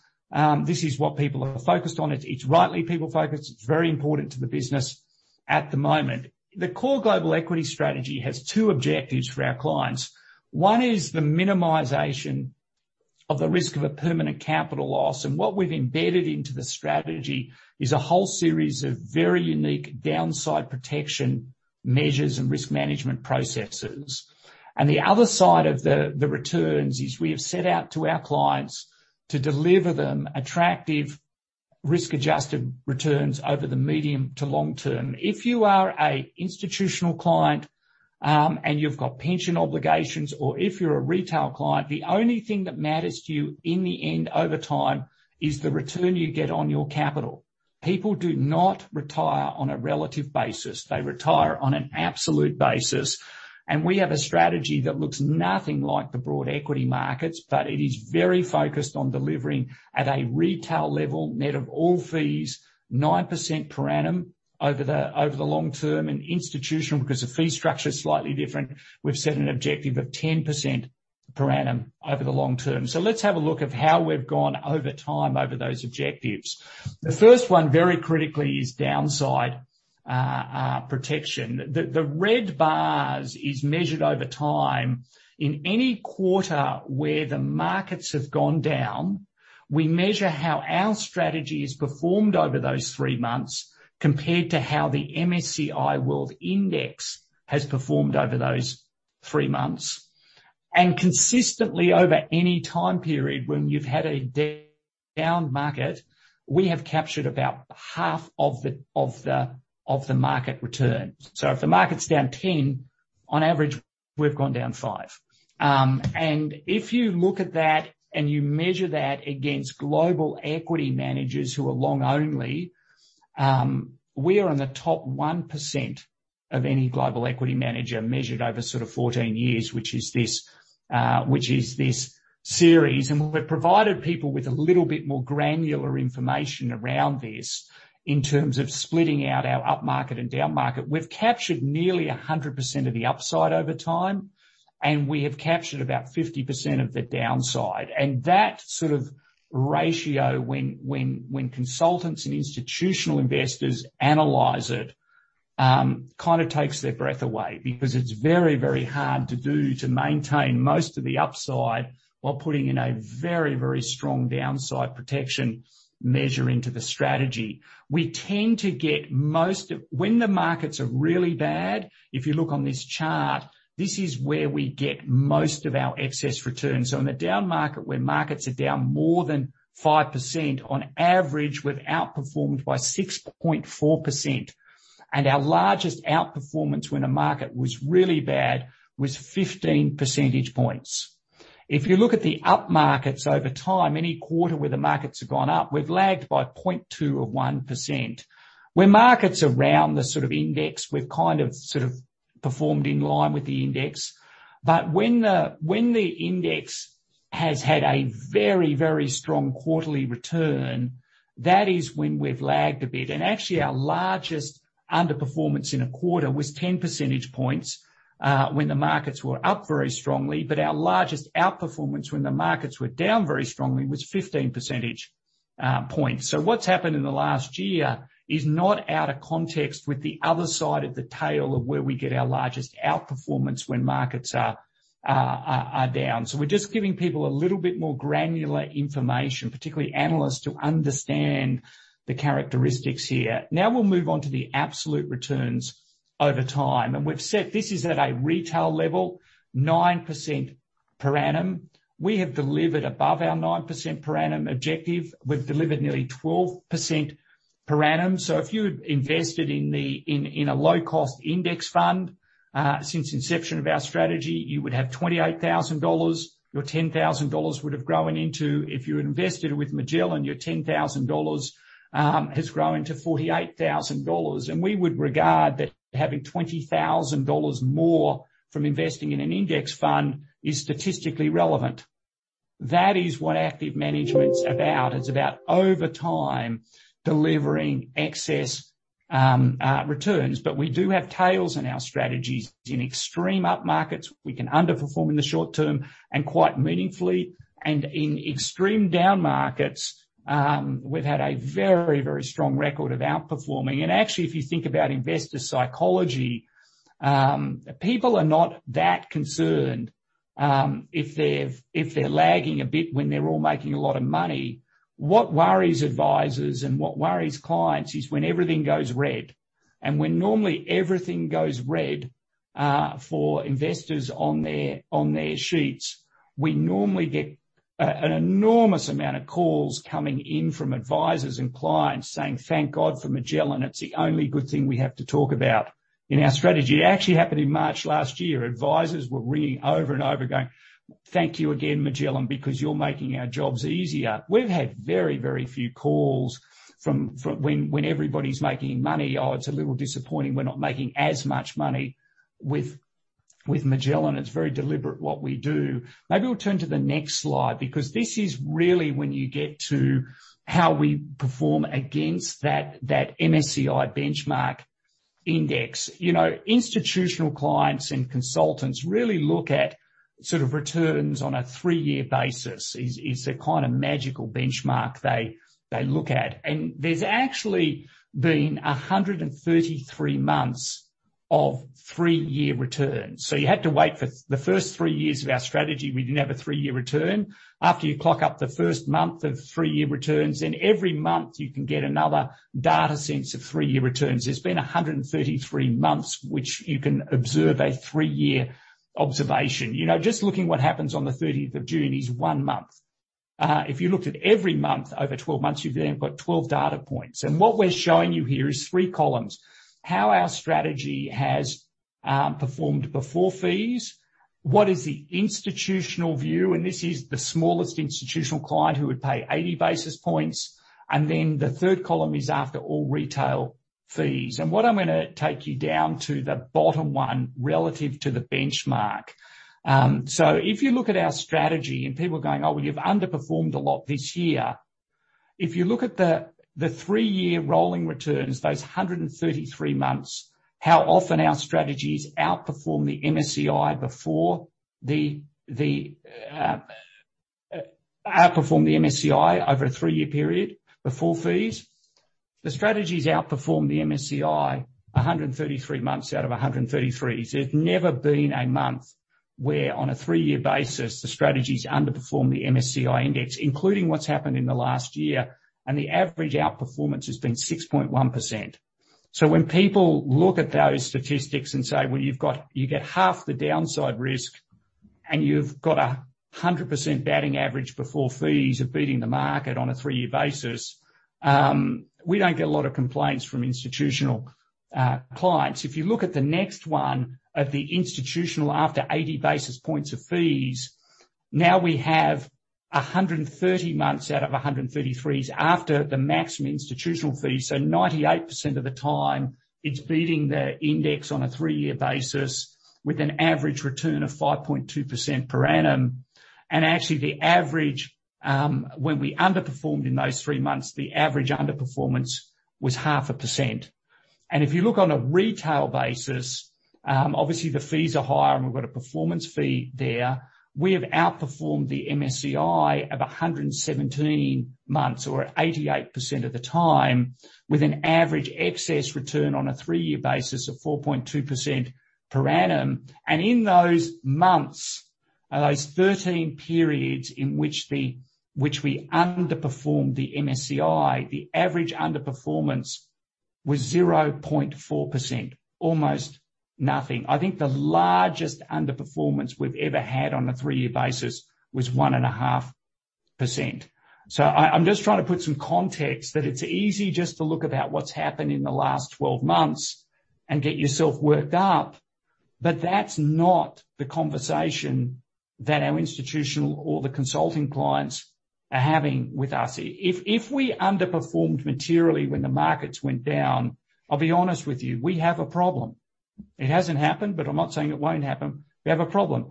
this is what people are focused on. It's rightly people-focused. It's very important to the business at the moment. The core global equity strategy has two objectives for our clients. One is the minimization of the risk of a permanent capital loss, and what we've embedded into the strategy is a whole series of very unique downside protection measures and risk management processes. The other side of the returns is we have set out to our clients to deliver them attractive risk-adjusted returns over the medium to long term. If you are an institutional client, and you've got pension obligations, or if you're a retail client, the only thing that matters to you in the end, over time, is the return you get on your capital. People do not retire on a relative basis; they retire on an absolute basis. We have a strategy that looks nothing like the broad equity markets, but it is very focused on delivering at a retail level, net of all fees, 9% per annum over the long term. Institutional, because the fee structure is slightly different, we've set an objective of 10% per annum over the long term. Let's have a look of how we've gone over time over those objectives. The first one, very critically, is downside protection. The red bars is measured over time. In any quarter where the markets have gone down, we measure how our strategy has performed over those three months compared to how the MSCI World Index has performed over those three months. Consistently over any time period when you've had a down market, we have captured about half of the market return. If the market's down 10%, on average, we've gone down 5%. If you look at that and you measure that against global equity managers who are long only, we are in the top 1% of any global equity manager measured over sort of 14 years, which is this series, and we've provided people with a little bit more granular information around this in terms of splitting out our up market and down market. We've captured nearly 100% of the upside over time, and we have captured about 50% of the downside. That sort of ratio, when consultants and institutional investors analyze it, kind of takes their breath away because it's very, very hard to do, to maintain most of the upside while putting in a very, very strong downside protection measure into the strategy. We tend to get most of when the markets are really bad, if you look on this chart, this is where we get most of our excess returns. In the down market, where markets are down more than 5%, on average, we've outperformed by 6.4%, and our largest outperformance when the market was really bad was 15 percentage points. If you look at the up markets over time, any quarter where the markets have gone up, we've lagged by 0.2 or 1%. Where markets around the sort of index, we've kind of performed in line with the index. When the index has had a very, very strong quarterly return, that is when we've lagged a bit. Actually, our largest underperformance in a quarter was 10 percentage points, when the markets were up very strongly. Our largest outperformance when the markets were down very strongly was 15 percentage points. What's happened in the last year is not out of context with the other side of the tail of where we get our largest outperformance when markets are down. We're just giving people a little bit more granular information, particularly analysts, to understand the characteristics here. Now we'll move on to the absolute returns over time. We've said this is at a retail level, 9% per annum. We have delivered above our 9% per annum objective. We've delivered nearly 12% per annum. If you had invested in a low-cost index fund, since inception of our strategy, you would have 28,000 dollars. If you had invested with Magellan, your 10,000 dollars has grown to 48,000 dollars. We would regard that having 20,000 dollars more from investing in an index fund is statistically relevant. That is what active management's about. It is about, over time, delivering excess returns. We do have tails in our strategies. In extreme up markets, we can underperform in the short term, and quite meaningfully. In extreme down markets, we have had a very, very strong record of outperforming. Actually, if you think about investor psychology, people are not that concerned if they are lagging a bit when they are all making a lot of money, what worries advisors and what worries clients is when everything goes red. When normally everything goes red for investors on their sheets, we normally get an enormous amount of calls coming in from advisors and clients saying, Thank God for Magellan. It's the only good thing we have to talk about in our strategy. It actually happened in March last year. Advisors were ringing over and over again, Thank you again, Magellan, because you're making our jobs easier. We've had very, very few calls when everybody's making money, Oh, it's a little disappointing we're not making as much money with Magellan. It's very deliberate what we do. Maybe we'll turn to the next slide, because this is really when you get to how we perform against that MSCI benchmark index. Institutional clients and consultants really look at sort of returns on a three-year basis. It's a kind of magical benchmark they look at. There's actually been 133 months of three-year returns. You had to wait for the first three years of our strategy, we didn't have a three-year return. After you clock up the first month of three-year returns, then every month you can get another data set of three-year returns. There's been 133 months, which you can observe a three-year observation. Just looking what happens on the 30th of June is one month. If you looked at every month over 12 months, you've then got 12 data points. What we're showing you here is three columns. How our strategy has performed before fees, what is the institutional view, and this is the smallest institutional client who would pay 80 basis points, and then the third column is after all retail fees. What I'm going to take you down to the bottom one relative to the benchmark. If you look at our strategy and people are going, Oh, well, you've underperformed a lot this year. If you look at the three-year rolling returns, those 133 months, how often our strategies outperform the MSCI over a three-year period before fees. The strategies outperformed the MSCI 133 months out of 133. There's never been a month where, on a three-year basis, the strategies underperformed the MSCI index, including what's happened in the last year, and the average outperformance has been 6.1%. When people look at those statistics and say, Well, you get half the downside risk, and you've got 100% batting average before fees of beating the market on a three-year basis, we don't get a lot of complaints from institutional clients. If you look at the next one of the institutional after 80 basis points of fees, now we have 130 months out of 133 after the maximum institutional fee. 98% of the time, it's beating their index on a three-year basis with an average return of 5.2% per annum. Actually, the average, when we underperformed in those three months, the average underperformance was 0.5%. If you look on a retail basis, obviously the fees are higher, and we've got a performance fee there. We have outperformed the MSCI of 117 months or at 88% of the time with an average excess return on a three-year basis of 4.2% per annum. In those months, those 13 periods in which we underperformed the MSCI, the average underperformance was 0.4%, almost nothing. I think the largest underperformance we've ever had on a three-year basis was 1.5%. I'm just trying to put some context that it's easy just to look at what's happened in the last 12 months and get yourself worked up. That's not the conversation that our institutional or the consulting clients are having with us. If we underperformed materially when the markets went down, I'll be honest with you, we have a problem. It hasn't happened, but I'm not saying it won't happen. We have a problem.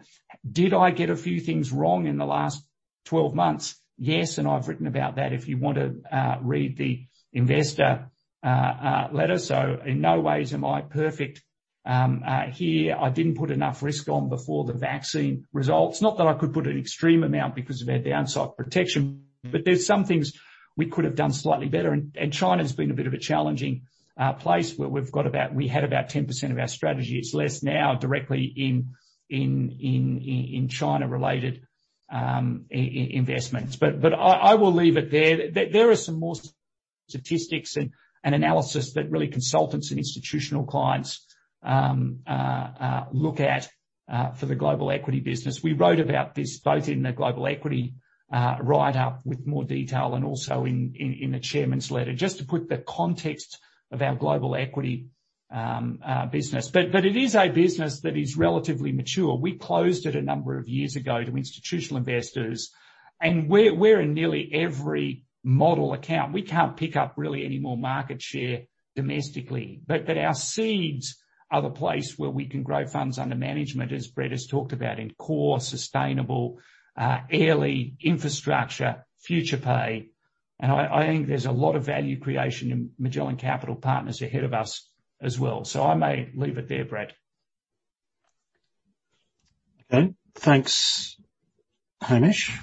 Did I get a few things wrong in the last 12 months? Yes, I've written about that if you want to read the investor letter. In no ways am I perfect here. I didn't put enough risk on before the vaccine results. Not that I could put an extreme amount because of our downside protection, but there's some things we could have done slightly better, and China's been a bit of a challenging place where we had about 10% of our strategy. It's less now directly in China-related investments. I will leave it there. There are some more statistics and analysis that really consultants and institutional clients look at for the global equity business. We wrote about this both in the global equity write-up with more detail and also in the chairman's letter, just to put the context of our global equity business. It is a business that is relatively mature. We closed it a number of years ago to institutional investors, and we're in nearly every model account. We can't pick up really any more market share domestically. Our seeds are the place where we can grow funds under management, as Brett has talked about in Core, Sustainable, Core Infrastructure, FuturePay. I think there's a lot of value creation in Magellan Capital Partners ahead of us as well. I may leave it there, Brett. Okay, thanks Hamish.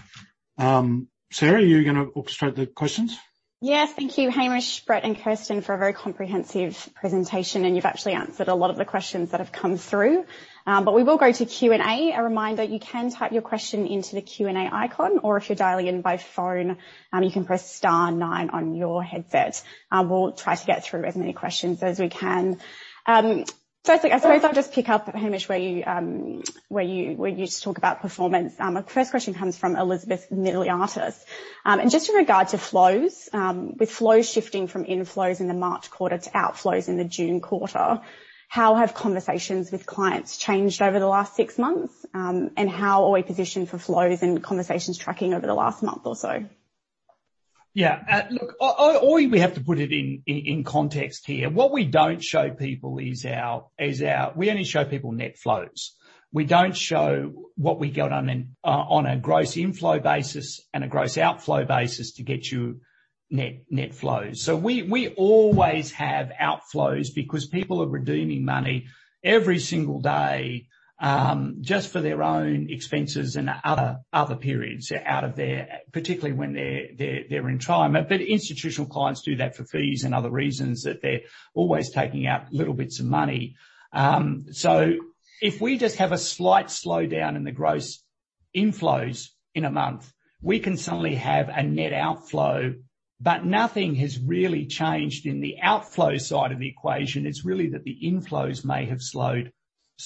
Sarah, are you going to orchestrate the questions? Yes. Thank you, Hamish, Brett, and Kirsten, for a very comprehensive presentation, and you've actually answered a lot of the questions that have come through. We will go to Q&A. A reminder, you can type your question into the Q&A icon, or if you're dialing in by phone, you can press star nine on your headset. We'll try to get through as many questions as we can. Firstly, I suppose I'll just pick up, Hamish, where you just talk about performance. Our first question comes from Elizabeth Miliatis. Just in regard to flows, with flows shifting from inflows in the March quarter to outflows in the June quarter, how have conversations with clients changed over the last six months? How are we positioned for flows and conversations tracking over the last month or so? Yeah. Look, we have to put it in context here. We only show people net flows. We don't show what we get on a gross inflow basis and a gross outflow basis to get you net flows. We always have outflows because people are redeeming money every single day, just for their own expenses in other periods, particularly when they're in retirement. Institutional clients do that for fees and other reasons, that they're always taking out little bits of money. If we just have a slight slowdown in the gross inflows in a month, we can suddenly have a net outflow. Nothing has really changed in the outflow side of the equation. It's really that the inflows may have slowed down,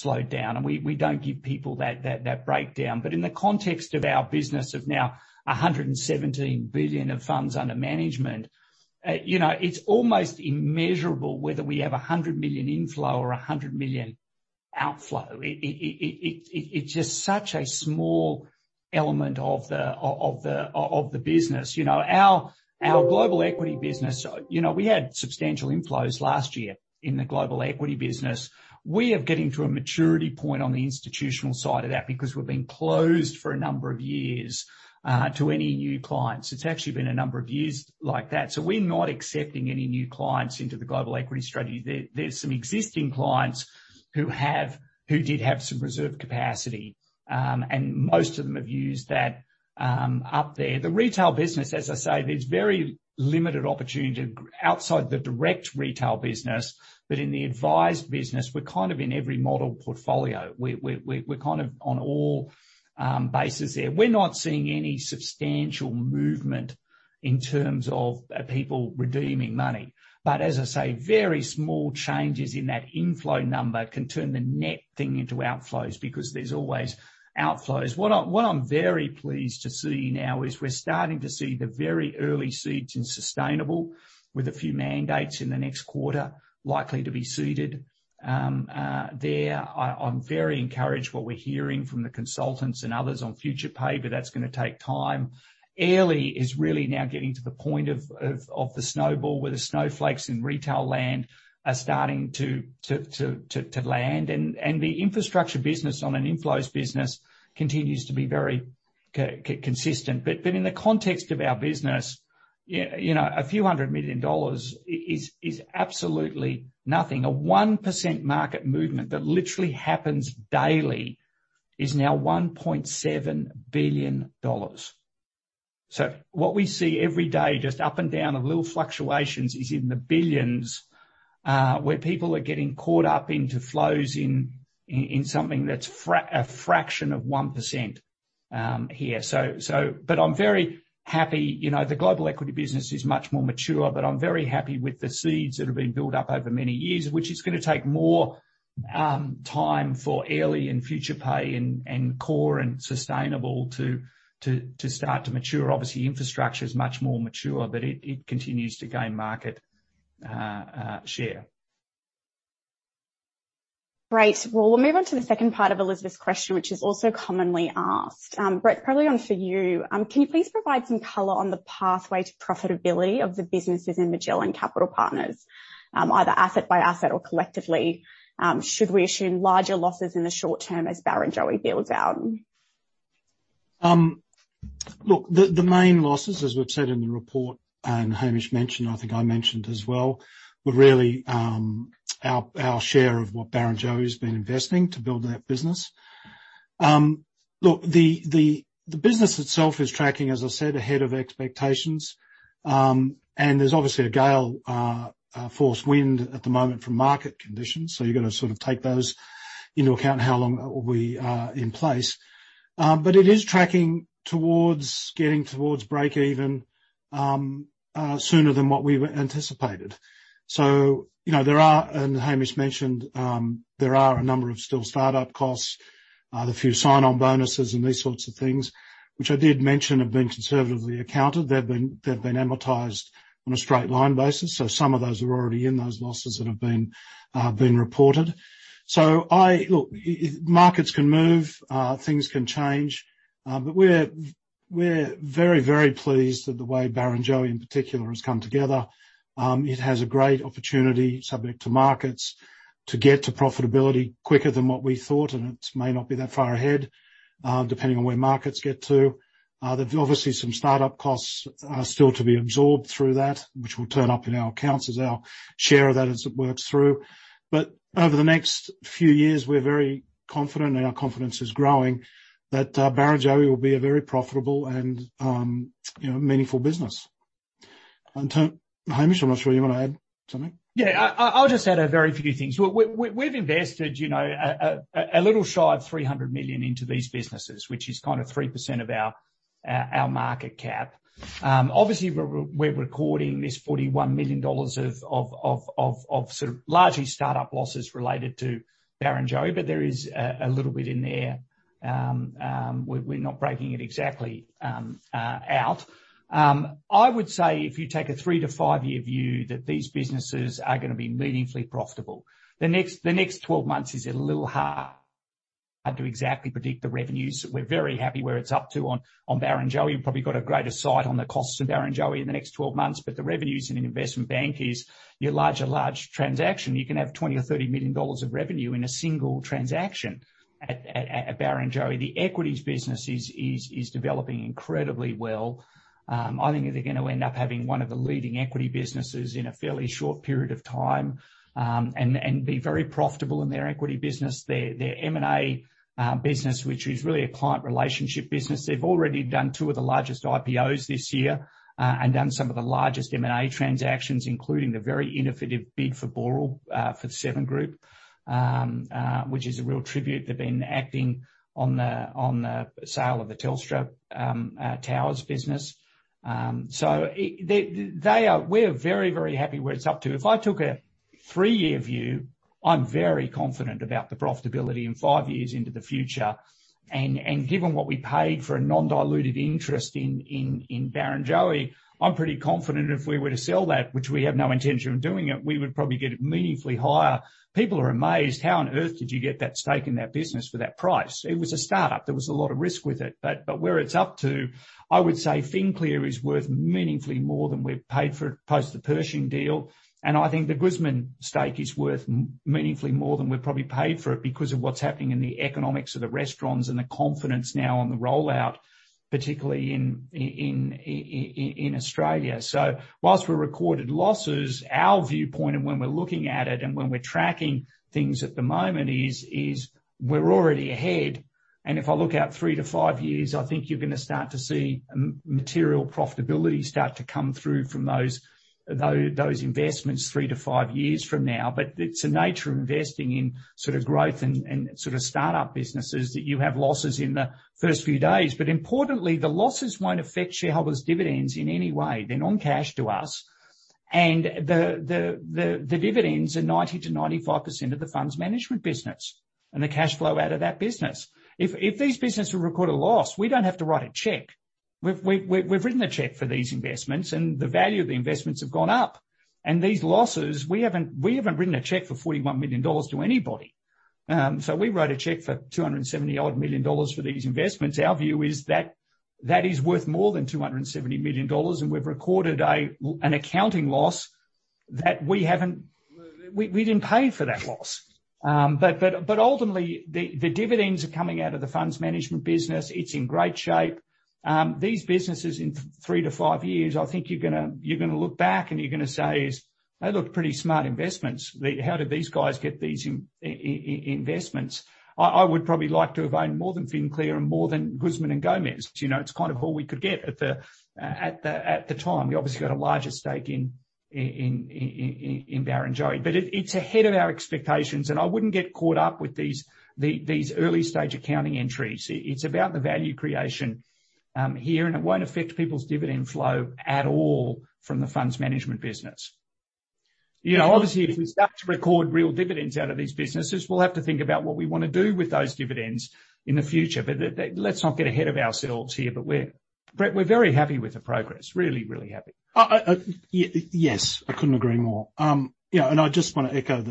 and we don't give people that breakdown. In the context of our business of now 117 billion of funds under management, it's almost immeasurable whether we have 100 million inflow or 100 million outflow. It's just such a small element of the business. Our global equity business, we had substantial inflows last year in the global equity business. We are getting to a maturity point on the institutional side of that because we've been closed for a number of years to any new clients. It's actually been a number of years like that. We're not accepting any new clients into the global equity strategy. There's some existing clients who did have some reserve capacity, and most of them have used that up there. The retail business, as I say, there's very limited opportunity outside the direct retail business. In the advised business, we're kind of in every model portfolio. We're kind of on all bases there. We're not seeing any substantial movement in terms of people redeeming money. As I say, very small changes in that inflow number can turn the net thing into outflows because there's always outflows. What I'm very pleased to see now is we're starting to see the very early seeds in sustainable with a few mandates in the next quarter likely to be seeded there. I'm very encouraged what we're hearing from the consultants and others on FuturePay, but that's going to take time. Airlie is really now getting to the point of the snowball, where the snowflakes in retail land are starting to land. The infrastructure business on an inflows business continues to be very consistent. In the context of our business, a few hundred million AUD is absolutely nothing. A 1% market movement that literally happens daily is now 1.7 billion dollars. What we see every day, just up and down of little fluctuations, is in the billions, where people are getting caught up into flows in something that's a fraction of 1% here. I'm very happy. The global equity business is much more mature, but I'm very happy with the seeds that have been built up over many years, which is going to take more time for Airlie and FuturePay and Core and Sustainable to start to mature. Obviously, infrastructure is much more mature, but it continues to gain market share. Great. Well, we'll move on to the second part of Elizabeth's question, which is also commonly asked. Brett, probably one for you. Can you please provide some color on the pathway to profitability of the businesses in Magellan Capital Partners, either asset by asset or collectively? Should we assume larger losses in the short term as Barrenjoey builds out? The main losses, as we've said in the report, and Hamish mentioned, I think I mentioned as well, were really our share of what Barrenjoey's been investing to build that business. The business itself is tracking, as I said, ahead of expectations. There's obviously a gale force wind at the moment from market conditions, so you've got to sort of take those into account, how long will be in place. It is tracking towards getting towards break even sooner than what we anticipated. There are, and Hamish mentioned, there are a number of still startup costs, the few sign-on bonuses and these sorts of things, which I did mention have been conservatively accounted. They've been amortized on a straight line basis. Some of those are already in those losses that have been reported. Look, markets can move, things can change, but we're very pleased that the way Barrenjoey, in particular, has come together. It has a great opportunity, subject to markets, to get to profitability quicker than what we thought, and it may not be that far ahead, depending on where markets get to. There's obviously some startup costs still to be absorbed through that, which will turn up in our accounts as our share of that as it works through. Over the next few years, we're very confident, and our confidence is growing, that Barrenjoey will be a very profitable and meaningful business. Hamish, I'm not sure, you want to add something? I'll just add a very few things. We've invested a little shy of 300 million into these businesses, which is kind of 3% of our market cap. We're recording this 41 million dollars of sort of largely startup losses related to Barrenjoey, but there is a little bit in there. We're not breaking it exactly out. I would say if you take a three-to-five-year view, that these businesses are going to be meaningfully profitable. The next 12 months is a little hard to exactly predict the revenues. We're very happy where it's up to on Barrenjoey. We've probably got a greater sight on the costs of Barrenjoey in the next 12 months, but the revenues in an investment bank is, you lodge a large transaction, you can have 20 million or 30 million dollars of revenue in a single transaction at Barrenjoey. The equities business is developing incredibly well. I think they're going to end up having one of the leading equity businesses in a fairly short period of time, and be very profitable in their equity business. Their M&A business, which is really a client relationship business, they've already done two of the largest IPOs this year, and done some of the largest M&A transactions, including the very innovative bid for Boral, for the Seven Group, which is a real tribute. They've been acting on the sale of the Telstra Towers business. We're very happy where it's up to. If I took a three-year view, I'm very confident about the profitability in five years into the future. Given what we paid for a non-diluted interest in Barrenjoey, I'm pretty confident if we were to sell that, which we have no intention of doing it, we would probably get it meaningfully higher. People are amazed, how on earth did you get that stake in that business for that price? It was a startup. There was a lot of risk with it. But where it's up to, I would say FinClear is worth meaningfully more than we've paid for it post the Pershing deal, and I think the Guzman stake is worth meaningfully more than we probably paid for it because of what's happening in the economics of the restaurants and the confidence now on the rollout, particularly in Australia. Whilst we recorded losses, our viewpoint and when we're looking at it and when we're tracking things at the moment is we're already ahead, and if I look out three to five years, I think you're going to start to see material profitability start to come through from those investments three to five years from now. It's the nature of investing in growth and sort of startup businesses, that you have losses in the first few days. Importantly, the losses won't affect shareholders' dividends in any way. They're non-cash to us, and the dividends are 90%-95% of the funds management business and the cash flow out of that business. If these businesses will record a loss, we don't have to write a check. We've written a check for these investments, and the value of the investments have gone up. These losses, we haven't written a check for 41 million dollars to anybody. We wrote a check for 270 odd million for these investments. Our view is that that is worth more than 270 million dollars, and we've recorded an accounting loss that we didn't pay for that loss. Ultimately, the dividends are coming out of the funds management business. It's in great shape. These businesses in three to five years, I think you're going to look back and you're going to say is, They look pretty smart investments. How did these guys get these investments? I would probably like to have owned more than FinClear and more than Guzman y Gomez. It's kind of all we could get at the time. We obviously got a larger stake in Barrenjoey. It's ahead of our expectations, and I wouldn't get caught up with these early-stage accounting entries. It's about the value creation here, and it won't affect people's dividend flow at all from the funds management business. Obviously, if we start to record real dividends out of these businesses, we'll have to think about what we want to do with those dividends in the future. Let's not get ahead of ourselves here. We're, Brett, we're very happy with the progress. Really happy. Yes. I couldn't agree more. I just want to echo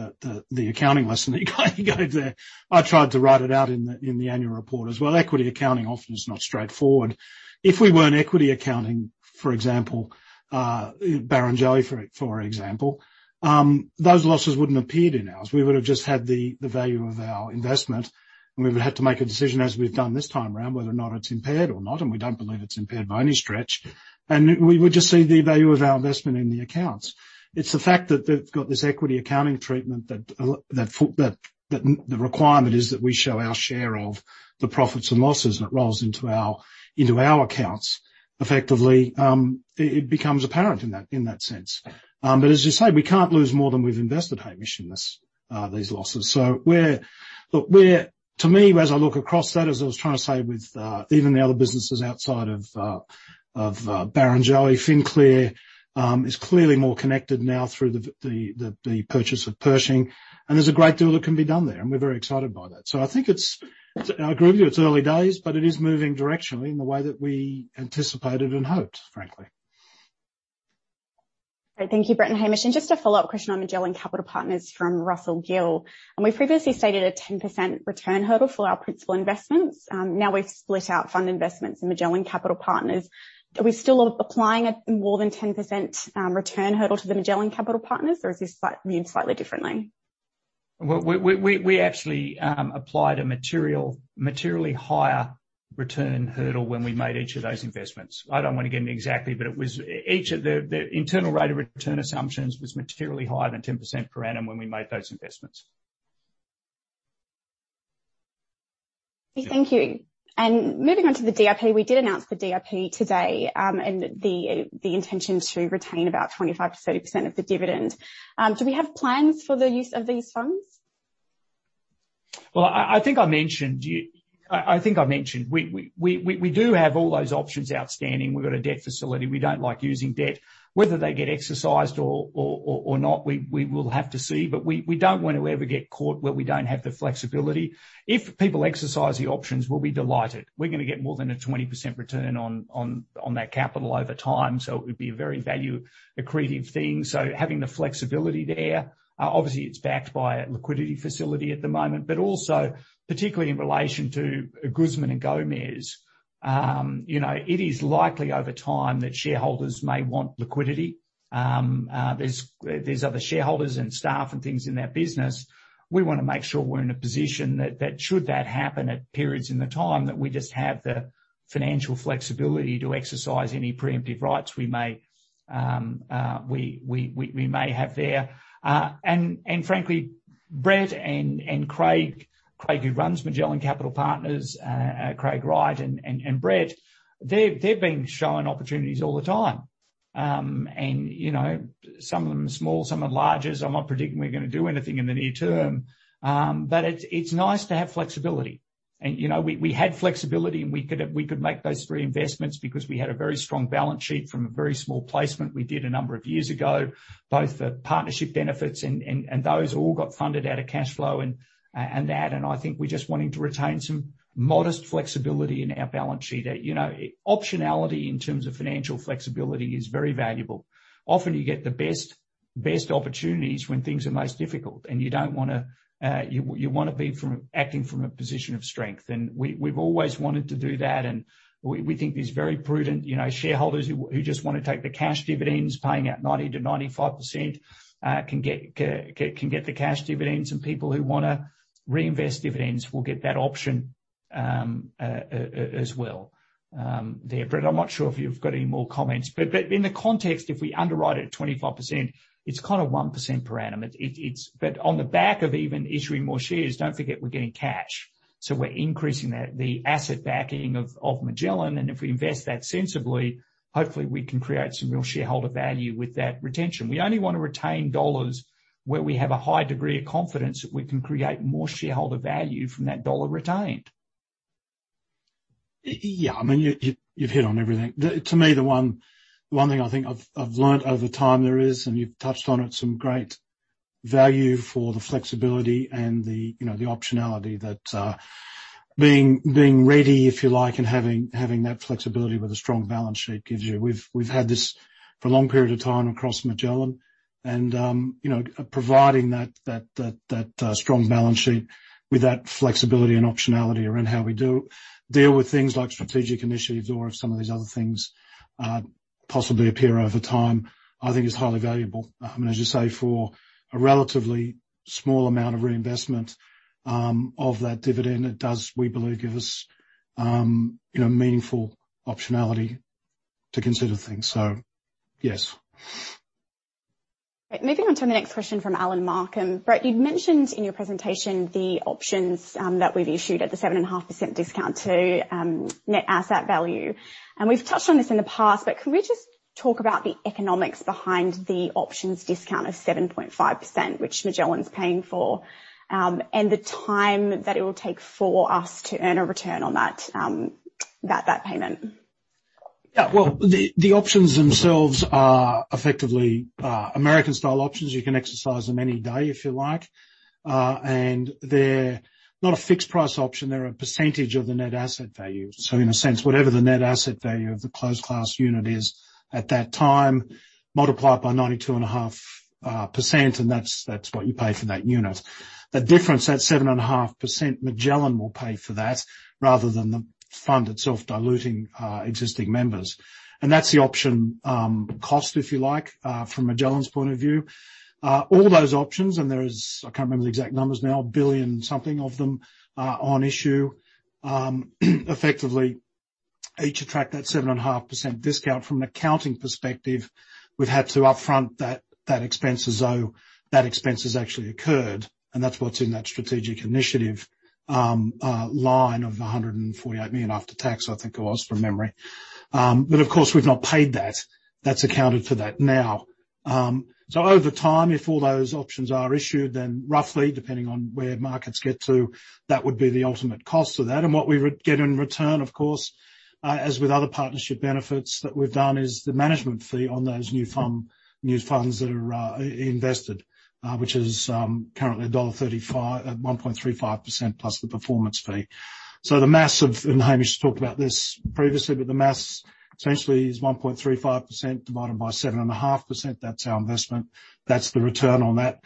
the accounting lesson that you go there. I tried to write it out in the annual report as well. Equity accounting often is not straightforward. If we weren't equity accounting, for example, Barrenjoey, for example, those losses wouldn't appeared in ours. We would've just had the value of our investment, and we would've had to make a decision as we've done this time around, whether or not it's impaired or not, and we don't believe it's impaired by any stretch. We would just see the value of our investment in the accounts. It's the fact that they've got this equity accounting treatment that the requirement is that we show our share of the profits and losses, and it rolls into our accounts. Effectively, it becomes apparent in that sense. As you say, we can't lose more than we've invested, Hamish, in these losses. To me, as I look across that, as I was trying to say with even the other businesses outside of Barrenjoey, FinClear is clearly more connected now through the purchase of Pershing, and there's a great deal that can be done there, and we're very excited by that. I agree with you, it's early days, but it is moving directionally in the way that we anticipated and hoped, frankly. Great. Thank you, Brett and Hamish. Just a follow-up question on Magellan Capital Partners from Russell Gill. We've previously stated a 10% return hurdle for our principal investments. Now we've split out fund investments in Magellan Capital Partners. Are we still applying a more than 10% return hurdle to the Magellan Capital Partners, or is this viewed slightly differently? We actually applied a materially higher return hurdle when we made each of those investments. I don't want to get into exactly. The internal rate of return assumptions was materially higher than 10% per annum when we made those investments. Thank you. Moving on to the DRP. We did announce the DRP today, and the intention to retain about 25%-30% of the dividend. Do we have plans for the use of these funds? Well, I think I mentioned, we do have all those options outstanding. We've got a debt facility. We don't like using debt. Whether they get exercised or not, we will have to see. We don't want to ever get caught where we don't have the flexibility. If people exercise the options, we'll be delighted. We're going to get more than a 20% return on that capital over time, so it would be a very value-accretive thing. Having the flexibility there, obviously, it's backed by a liquidity facility at the moment, but also particularly in relation to Guzman y Gomez. It is likely over time that shareholders may want liquidity. There's other shareholders and staff and things in that business. We want to make sure we're in a position that should that happen at periods in the time that we just have the financial flexibility to exercise any preemptive rights we may have there. Frankly, Brett and Craig who runs Magellan Capital Partners, Craig Wright and Brett, they're being shown opportunities all the time. Some of them are small, some are larger. I'm not predicting we're going to do anything in the near term. It's nice to have flexibility. We had flexibility, and we could make those three investments because we had a very strong balance sheet from a very small placement we did a number of years ago, both the partnership benefits and those all got funded out of cash flow and that. I think we're just wanting to retain some modest flexibility in our balance sheet. Optionality in terms of financial flexibility is very valuable. Often you get the best opportunities when things are most difficult, you want to be acting from a position of strength, we've always wanted to do that. We think there's very prudent shareholders who just want to take the cash dividends, paying out 90%-95%, can get the cash dividends, people who want to reinvest dividends will get that option as well. Brett, I'm not sure if you've got any more comments. In the context, if we underwrite it at 25%, it's kind of 1% per annum. On the back of even issuing more shares, don't forget, we're getting cash. We're increasing the asset backing of Magellan, if we invest that sensibly, hopefully we can create some real shareholder value with that retention. We only want to retain dollars where we have a high degree of confidence that we can create more shareholder value from that dollar retained. Yeah, you've hit on everything. To me, the one thing I think I've learned over time there is, and you've touched on it, some great value for the flexibility and the optionality that being ready, if you like, and having that flexibility with a strong balance sheet gives you. We've had this for a long period of time across Magellan, and providing that strong balance sheet with that flexibility and optionality around how we deal with things like strategic initiatives or if some of these other things possibly appear over time, I think is highly valuable. As you say, for a relatively small amount of reinvestment of that dividend, it does, we believe, give us meaningful optionality to consider things. Yes. Moving on to the next question from Alan Markham. Brett, you'd mentioned in your presentation the options that we've issued at the 7.5% discount to net asset value. We've touched on this in the past, but can we just talk about the economics behind the options discount of 7.5%, which Magellan's paying for, and the time that it will take for us to earn a return on that payment? Yeah. Well, the options themselves are effectively American-style options. You can exercise them any day if you like. They're not a fixed price option. They're a percentage of the net asset value. In a sense, whatever the net asset value of the closed class unit is at that time, multiply it by 92.5%, and that's what you pay for that unit. The difference, that 7.5%, Magellan will pay for that rather than the fund itself diluting existing members. That's the option cost, if you like, from Magellan's point of view. All those options, and there is, I can't remember the exact numbers now, a billion something of them are on issue. Effectively, each attract that 7.5% discount. From an accounting perspective, we've had to upfront that expense as though that expense has actually occurred, and that's what's in that strategic initiative line of 148 million after tax, I think it was, from memory. Of course, we've not paid that. That's accounted for that now. Over time, if all those options are issued, then roughly, depending on where markets get to, that would be the ultimate cost of that. What we would get in return, of course, as with other partnership benefits that we've done, is the management fee on those new funds that are invested, which is currently 1.35 at 1.35% plus the performance fee. The maths of, Hamish talked about this previously, the maths essentially is 1.35% divided by 7.5%. That's our investment. That's the return on that,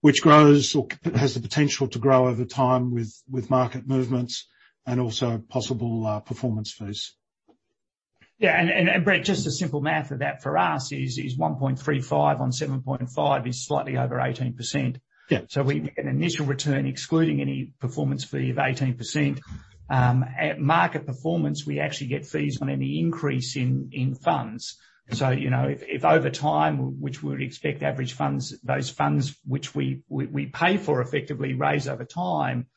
which grows or has the potential to grow over time with market movements and also possible performance fees. Yeah. Brett, just the simple math of that for us is, 1.35 on 7.5 is slightly over 18%. Yeah. We get an initial return excluding any performance fee of 18%. At market performance, we actually get fees on any increase in funds. If over time, which we would expect average funds, those funds which we pay for effectively raise over time.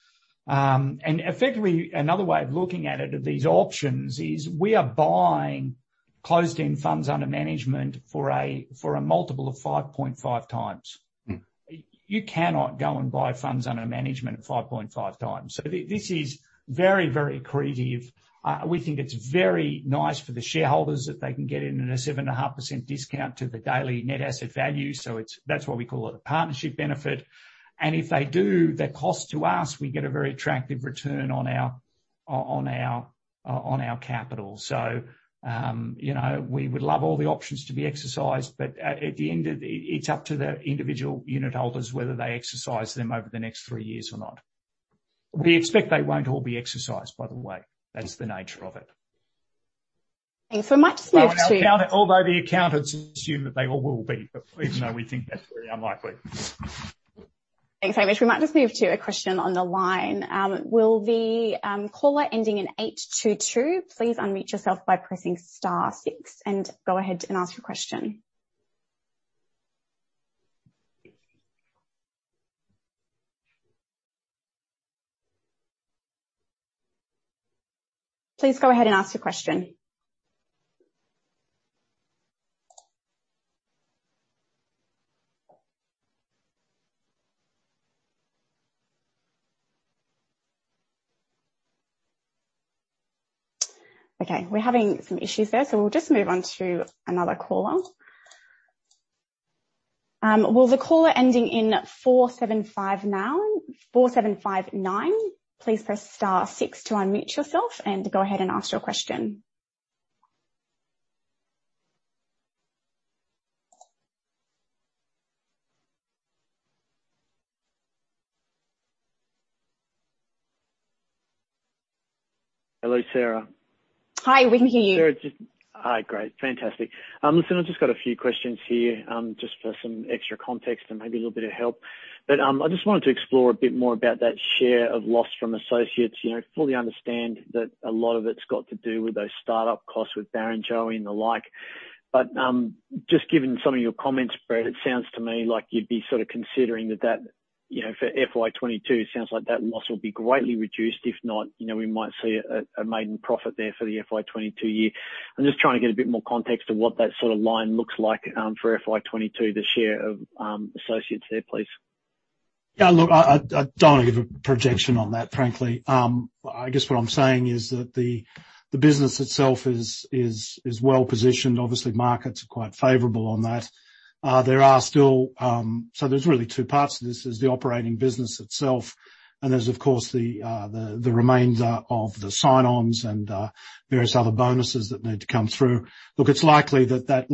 Effectively, another way of looking at it, of these options is, we are buying closed-end funds under management for a multiple of 5.5 times. You cannot go and buy funds under management at 5.5x. This is very creative. We think it's very nice for the shareholders that they can get in at a 7.5% discount to the daily net asset value. That's why we call it a partnership benefit. If they do, their cost to us, we get a very attractive return on our capital. We would love all the options to be exercised, but at the end, it's up to the individual unit holders whether they exercise them over the next three years or not. We expect they won't all be exercised, by the way. That's the nature of it. Thanks. Although the accountants assume that they all will be, even though we think that's very unlikely. Thanks very much. We might just move to a question on the line. Will the caller ending in H22 please unmute yourself by pressing star six and go ahead and ask your question. Please go ahead and ask your question. Okay, we're having some issues there, so we'll just move on to another caller. Will the caller ending in 4759, please press star six to unmute yourself and go ahead and ask your question. Hello, Sarah. Hi, we can hear you. Hi. Great. Fantastic. Listen, I've just got a few questions here, just for some extra context and maybe a little bit of help. I just wanted to explore a bit more about that share of loss from associates. I fully understand that a lot of it's got to do with those startup costs with Barrenjoey and the like. Just given some of your comments, Brett, it sounds to me like you'd be considering that for FY 2022, sounds like that loss will be greatly reduced. If not, we might see a maiden profit there for the FY 2022 year. I'm just trying to get a bit more context of what that line looks like for FY 2022, the share of associates there, please. Yeah, look, I don't want to give a projection on that, frankly. I guess what I'm saying is that the business itself is well-positioned. Obviously, markets are quite favorable on that. There's really two parts to this, is the operating business itself, and there's of course the remainder of the sign-ons and various other bonuses that need to come through. Look, it's likely that that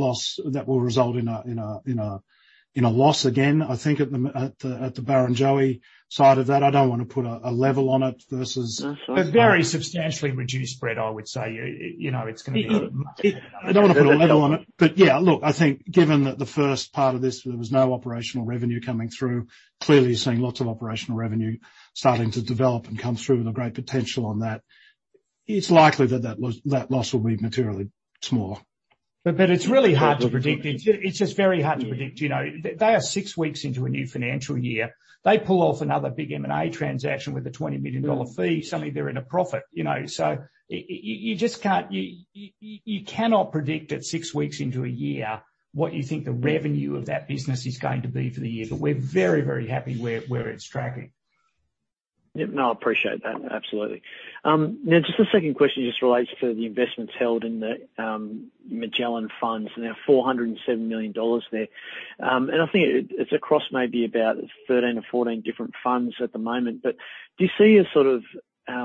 will result in a loss again, I think at the Barrenjoey side of that. I don't want to put a level on it versus. A very substantially reduced spread, I would say. It's going to be much better. I don't want to put a level on it. Yeah, look, I think given that the first part of this, there was no operational revenue coming through. Clearly, you're seeing lots of operational revenue starting to develop and come through with a great potential on that. It's likely that that loss will be materially small. It's really hard to predict. It's just very hard to predict. They are six weeks into a new financial year. They pull off another big M&A transaction with a 20 million dollar fee. Suddenly they're in a profit. You cannot predict at six weeks into a year what you think the revenue of that business is going to be for the year. We're very happy where it's tracking. Yeah, no, I appreciate that. Absolutely. A second question relates to the investments held in the Magellan funds. 407 million dollars there. I think it's across maybe about 13 or 14 different funds at the moment. Do you see a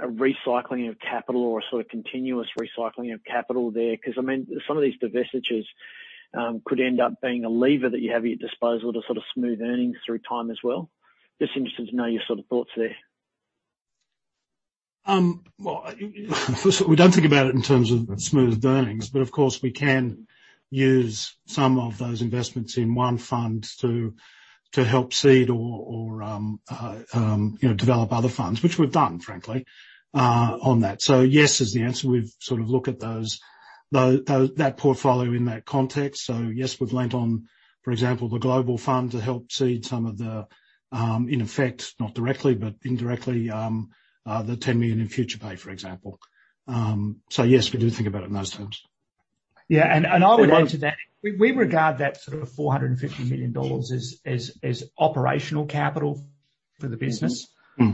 recycling of capital or a continuous recycling of capital there? Some of these divestitures could end up being a lever that you have at your disposal to smooth earnings through time as well. Interested to know your thoughts there. We don't think about it in terms of smoothed earnings. Of course, we can use some of those investments in one fund to help seed or develop other funds, which we've done, frankly, on that. Yes is the answer. We've looked at that portfolio in that context. Yes, we've lent on, for example, the Global Fund to help seed some of the, in effect, not directly, but indirectly, the 10 million in FuturePay, for example. Yes, we do think about it in those terms. Yeah. I would add to that, we regard that sort of 450 million dollars as operational capital for the business. We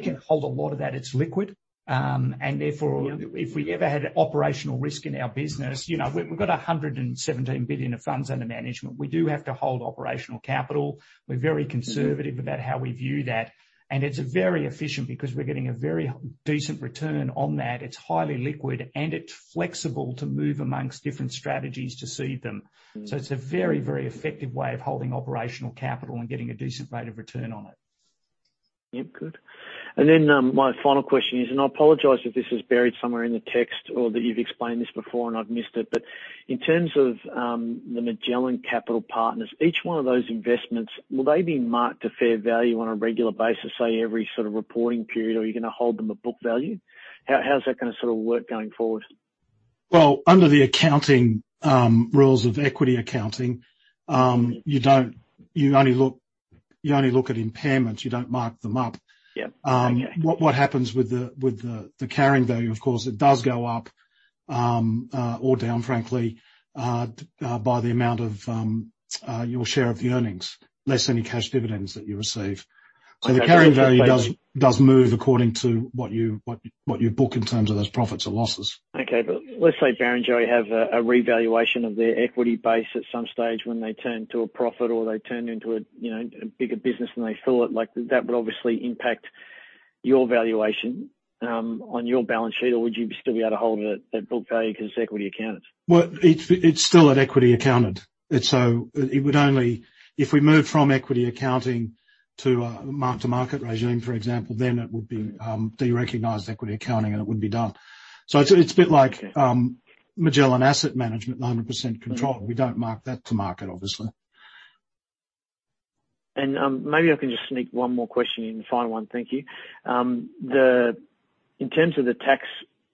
can hold a lot of that. It's liquid. Therefore, if we ever had operational risk in our business, we've got 117 billion of funds under management. We do have to hold operational capital. We're very conservative about how we view that, and it's very efficient because we're getting a very decent return on that. It's highly liquid, and it's flexible to move amongst different strategies to seed them. It's a very effective way of holding operational capital and getting a decent rate of return on it. Yeah, good. My final question is, and I apologize if this is buried somewhere in the text or that you've explained this before and I've missed it, but in terms of the Magellan Capital Partners, each one of those investments, will they be marked to fair value on a regular basis, say, every reporting period, or are you going to hold them at book value? How's that going to work going forward? Well, under the accounting rules of equity accounting, you only look at impairments, you don't mark them up. Yep. Okay. What happens with the carrying value, of course, it does go up, or down, frankly, by the amount of your share of the earnings, less any cash dividends that you receive. The carrying value does move according to what you book in terms of those profits or losses. Let's say Barrenjoey have a revaluation of their equity base at some stage when they turn to a profit or they turn into a bigger business than they thought, that would obviously impact your valuation on your balance sheet. Would you still be able to hold it at book value because it's equity accounted? Well, it's still an equity accounted. If we moved from equity accounting to a mark-to-market regime, for example, then it would be de-recognized equity accounting, and it would be done. It's a bit like Magellan Asset Management, 100% controlled. We don't mark that to market, obviously. Maybe I can just sneak one more question in. Final one. Thank you. In terms of the tax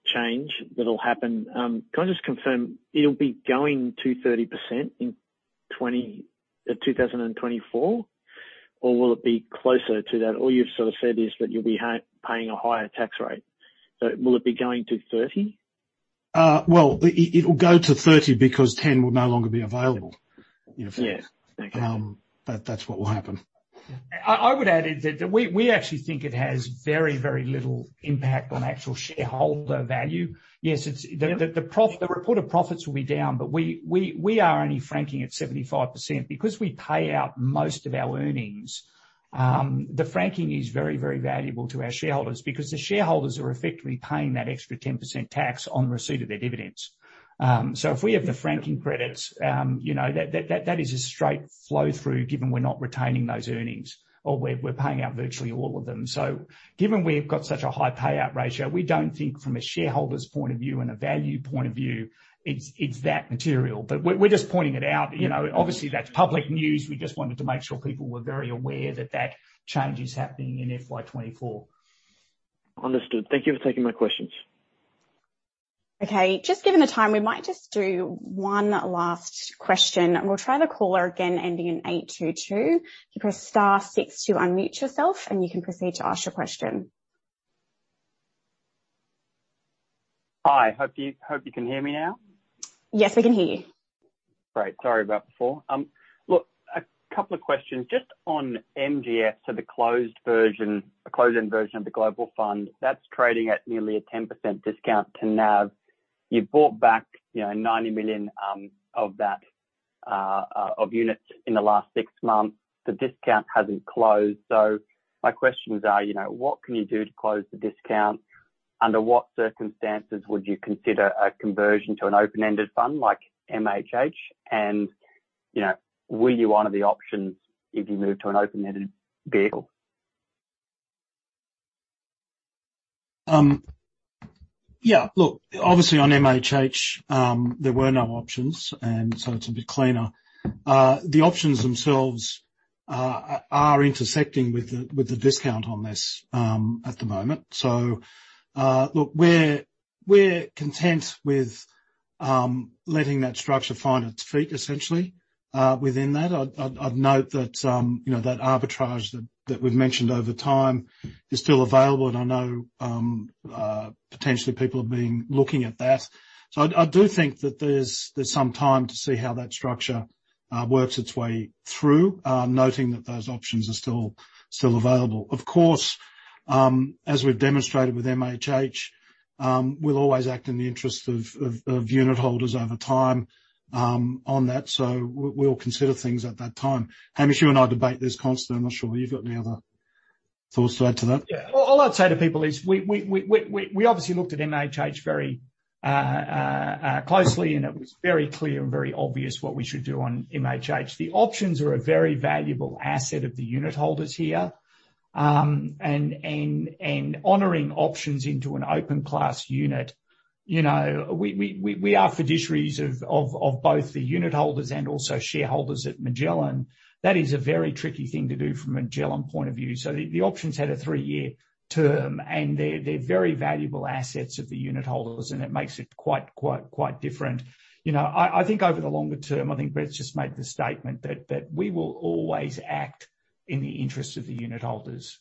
change that'll happen, can I just confirm, it'll be going to 30% in 2024, or will it be closer to that? All you've said is that you'll be paying a higher tax rate. Will it be going to 30? Well, it'll go to 30 because 10 will no longer be available in effect. Yeah. Okay. That's what will happen. Yeah. I would add that we actually think it has very, very little impact on actual shareholder value. Yeah. The report of profits will be down, but we are only franking at 75%. Because we pay out most of our earnings, the franking is very, very valuable to our shareholders because the shareholders are effectively paying that extra 10% tax on receipt of their dividends. If we have the franking credits, that is a straight flow-through, given we're not retaining those earnings, or we're paying out virtually all of them. Given we've got such a high payout ratio, we don't think from a shareholder's point of view and a value point of view, it's that material. We're just pointing it out. Obviously, that's public news. We just wanted to make sure people were very aware that that change is happening in FY 2024. Understood. Thank you for taking my questions. Okay. Just given the time, we might just do one last question, and we'll try the caller again ending in 822. You press star 6 to unmute yourself, and you can proceed to ask your question. Hi. Hope you can hear me now. Yes, we can hear you. Great. Sorry about before. Look, a couple of questions. Just on MGF, so the closed version, a closed-end version of the global fund, that's trading at nearly a 10% discount to NAV. You bought back 90 million of units in the last six months. The discount hasn't closed. My questions are, what can you do to close the discount? Under what circumstances would you consider a conversion to an open-ended fund like MHH? Will you honor the options if you move to an open-ended vehicle? Yeah. Look, obviously on MHH, there were no options. It's a bit cleaner. The options themselves are intersecting with the discount on this at the moment. Look, we're content with letting that structure find its feet, essentially, within that. I'd note that arbitrage that we've mentioned over time is still available, and I know potentially people have been looking at that. I do think that there's some time to see how that structure works its way through, noting that those options are still available. Of course, as we've demonstrated with MHH, we'll always act in the interest of unitholders over time on that. We'll consider things at that time. Hamish, you and I debate this constantly. I'm not sure whether you've got any other thoughts to add to that. Yeah. All I'd say to people is, we obviously looked at MHH very closely. It was very clear and very obvious what we should do on MHH. The options are a very valuable asset of the unitholders here. Honoring options into an open class unit, we are fiduciaries of both the unitholders and also shareholders at Magellan. That is a very tricky thing to do from a Magellan point of view. The options had a three-year term. They're very valuable assets of the unitholders. It makes it quite different. I think over the longer term, I think Brett's just made the statement that we will always act in the interest of the unitholders,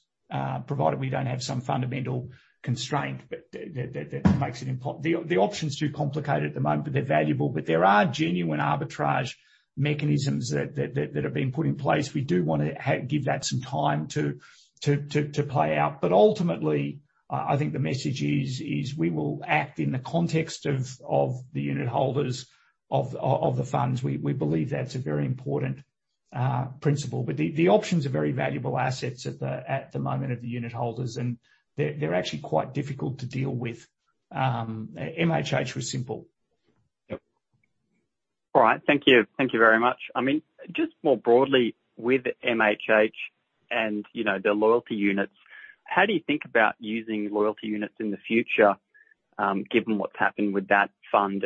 provided we don't have some fundamental constraint that makes it impossible. The option's too complicated at the moment. They're valuable. There are genuine arbitrage mechanisms that have been put in place. We do want to give that some time to play out. Ultimately, I think the message is, we will act in the context of the unitholders of the funds. We believe that's a very important principle. The options are very valuable assets at the moment of the unitholders, and they're actually quite difficult to deal with. MHH was simple. Yep. All right. Thank you very much. Just more broadly with MHH and the loyalty units, how do you think about using loyalty units in the future, given what's happened with that fund?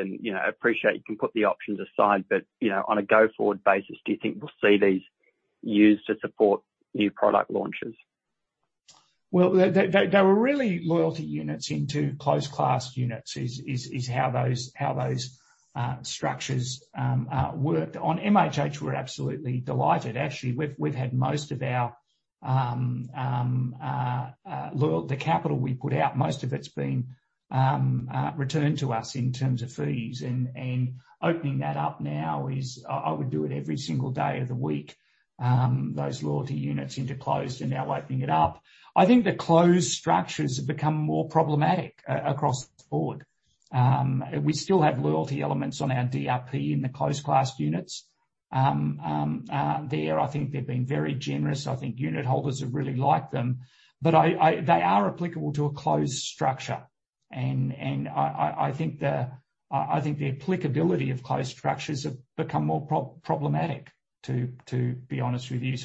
Appreciate you can put the options aside, but on a go-forward basis, do you think we'll see these used to support new product launches? They were really loyalty units into closed class units, is how those structures worked. On MHH, we're absolutely delighted. Actually, we've had most of the capital we put out, most of it's been returned to us in terms of fees, and opening that up now is, I would do it every single day of the week. Those loyalty units into closed and now opening it up. I think the closed structures have become more problematic across the board. We still have loyalty elements on our DRP in the closed class units. There, I think they've been very generous. I think unit holders have really liked them. They are applicable to a closed structure, and I think the applicability of closed structures have become more problematic, to be honest with you.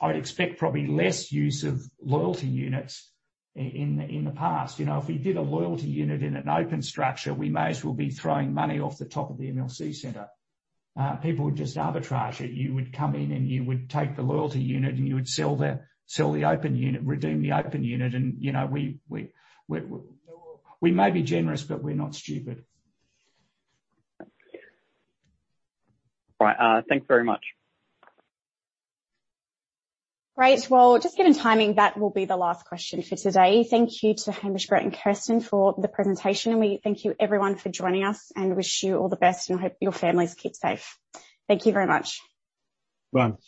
I'd expect probably less use of loyalty units in the past. If we did a loyalty unit in an open structure, we may as well be throwing money off the top of the MLC Centre. People would just arbitrage it. You would come in and you would take the loyalty unit, and you would redeem the open unit. We may be generous, but we're not stupid. Right. Thanks very much. Great. Well, just given timing, that will be the last question for today. Thank you to Hamish, Brett, and Kirsten for the presentation. We thank you everyone for joining us and wish you all the best. I hope your families keep safe. Thank you very much. Run.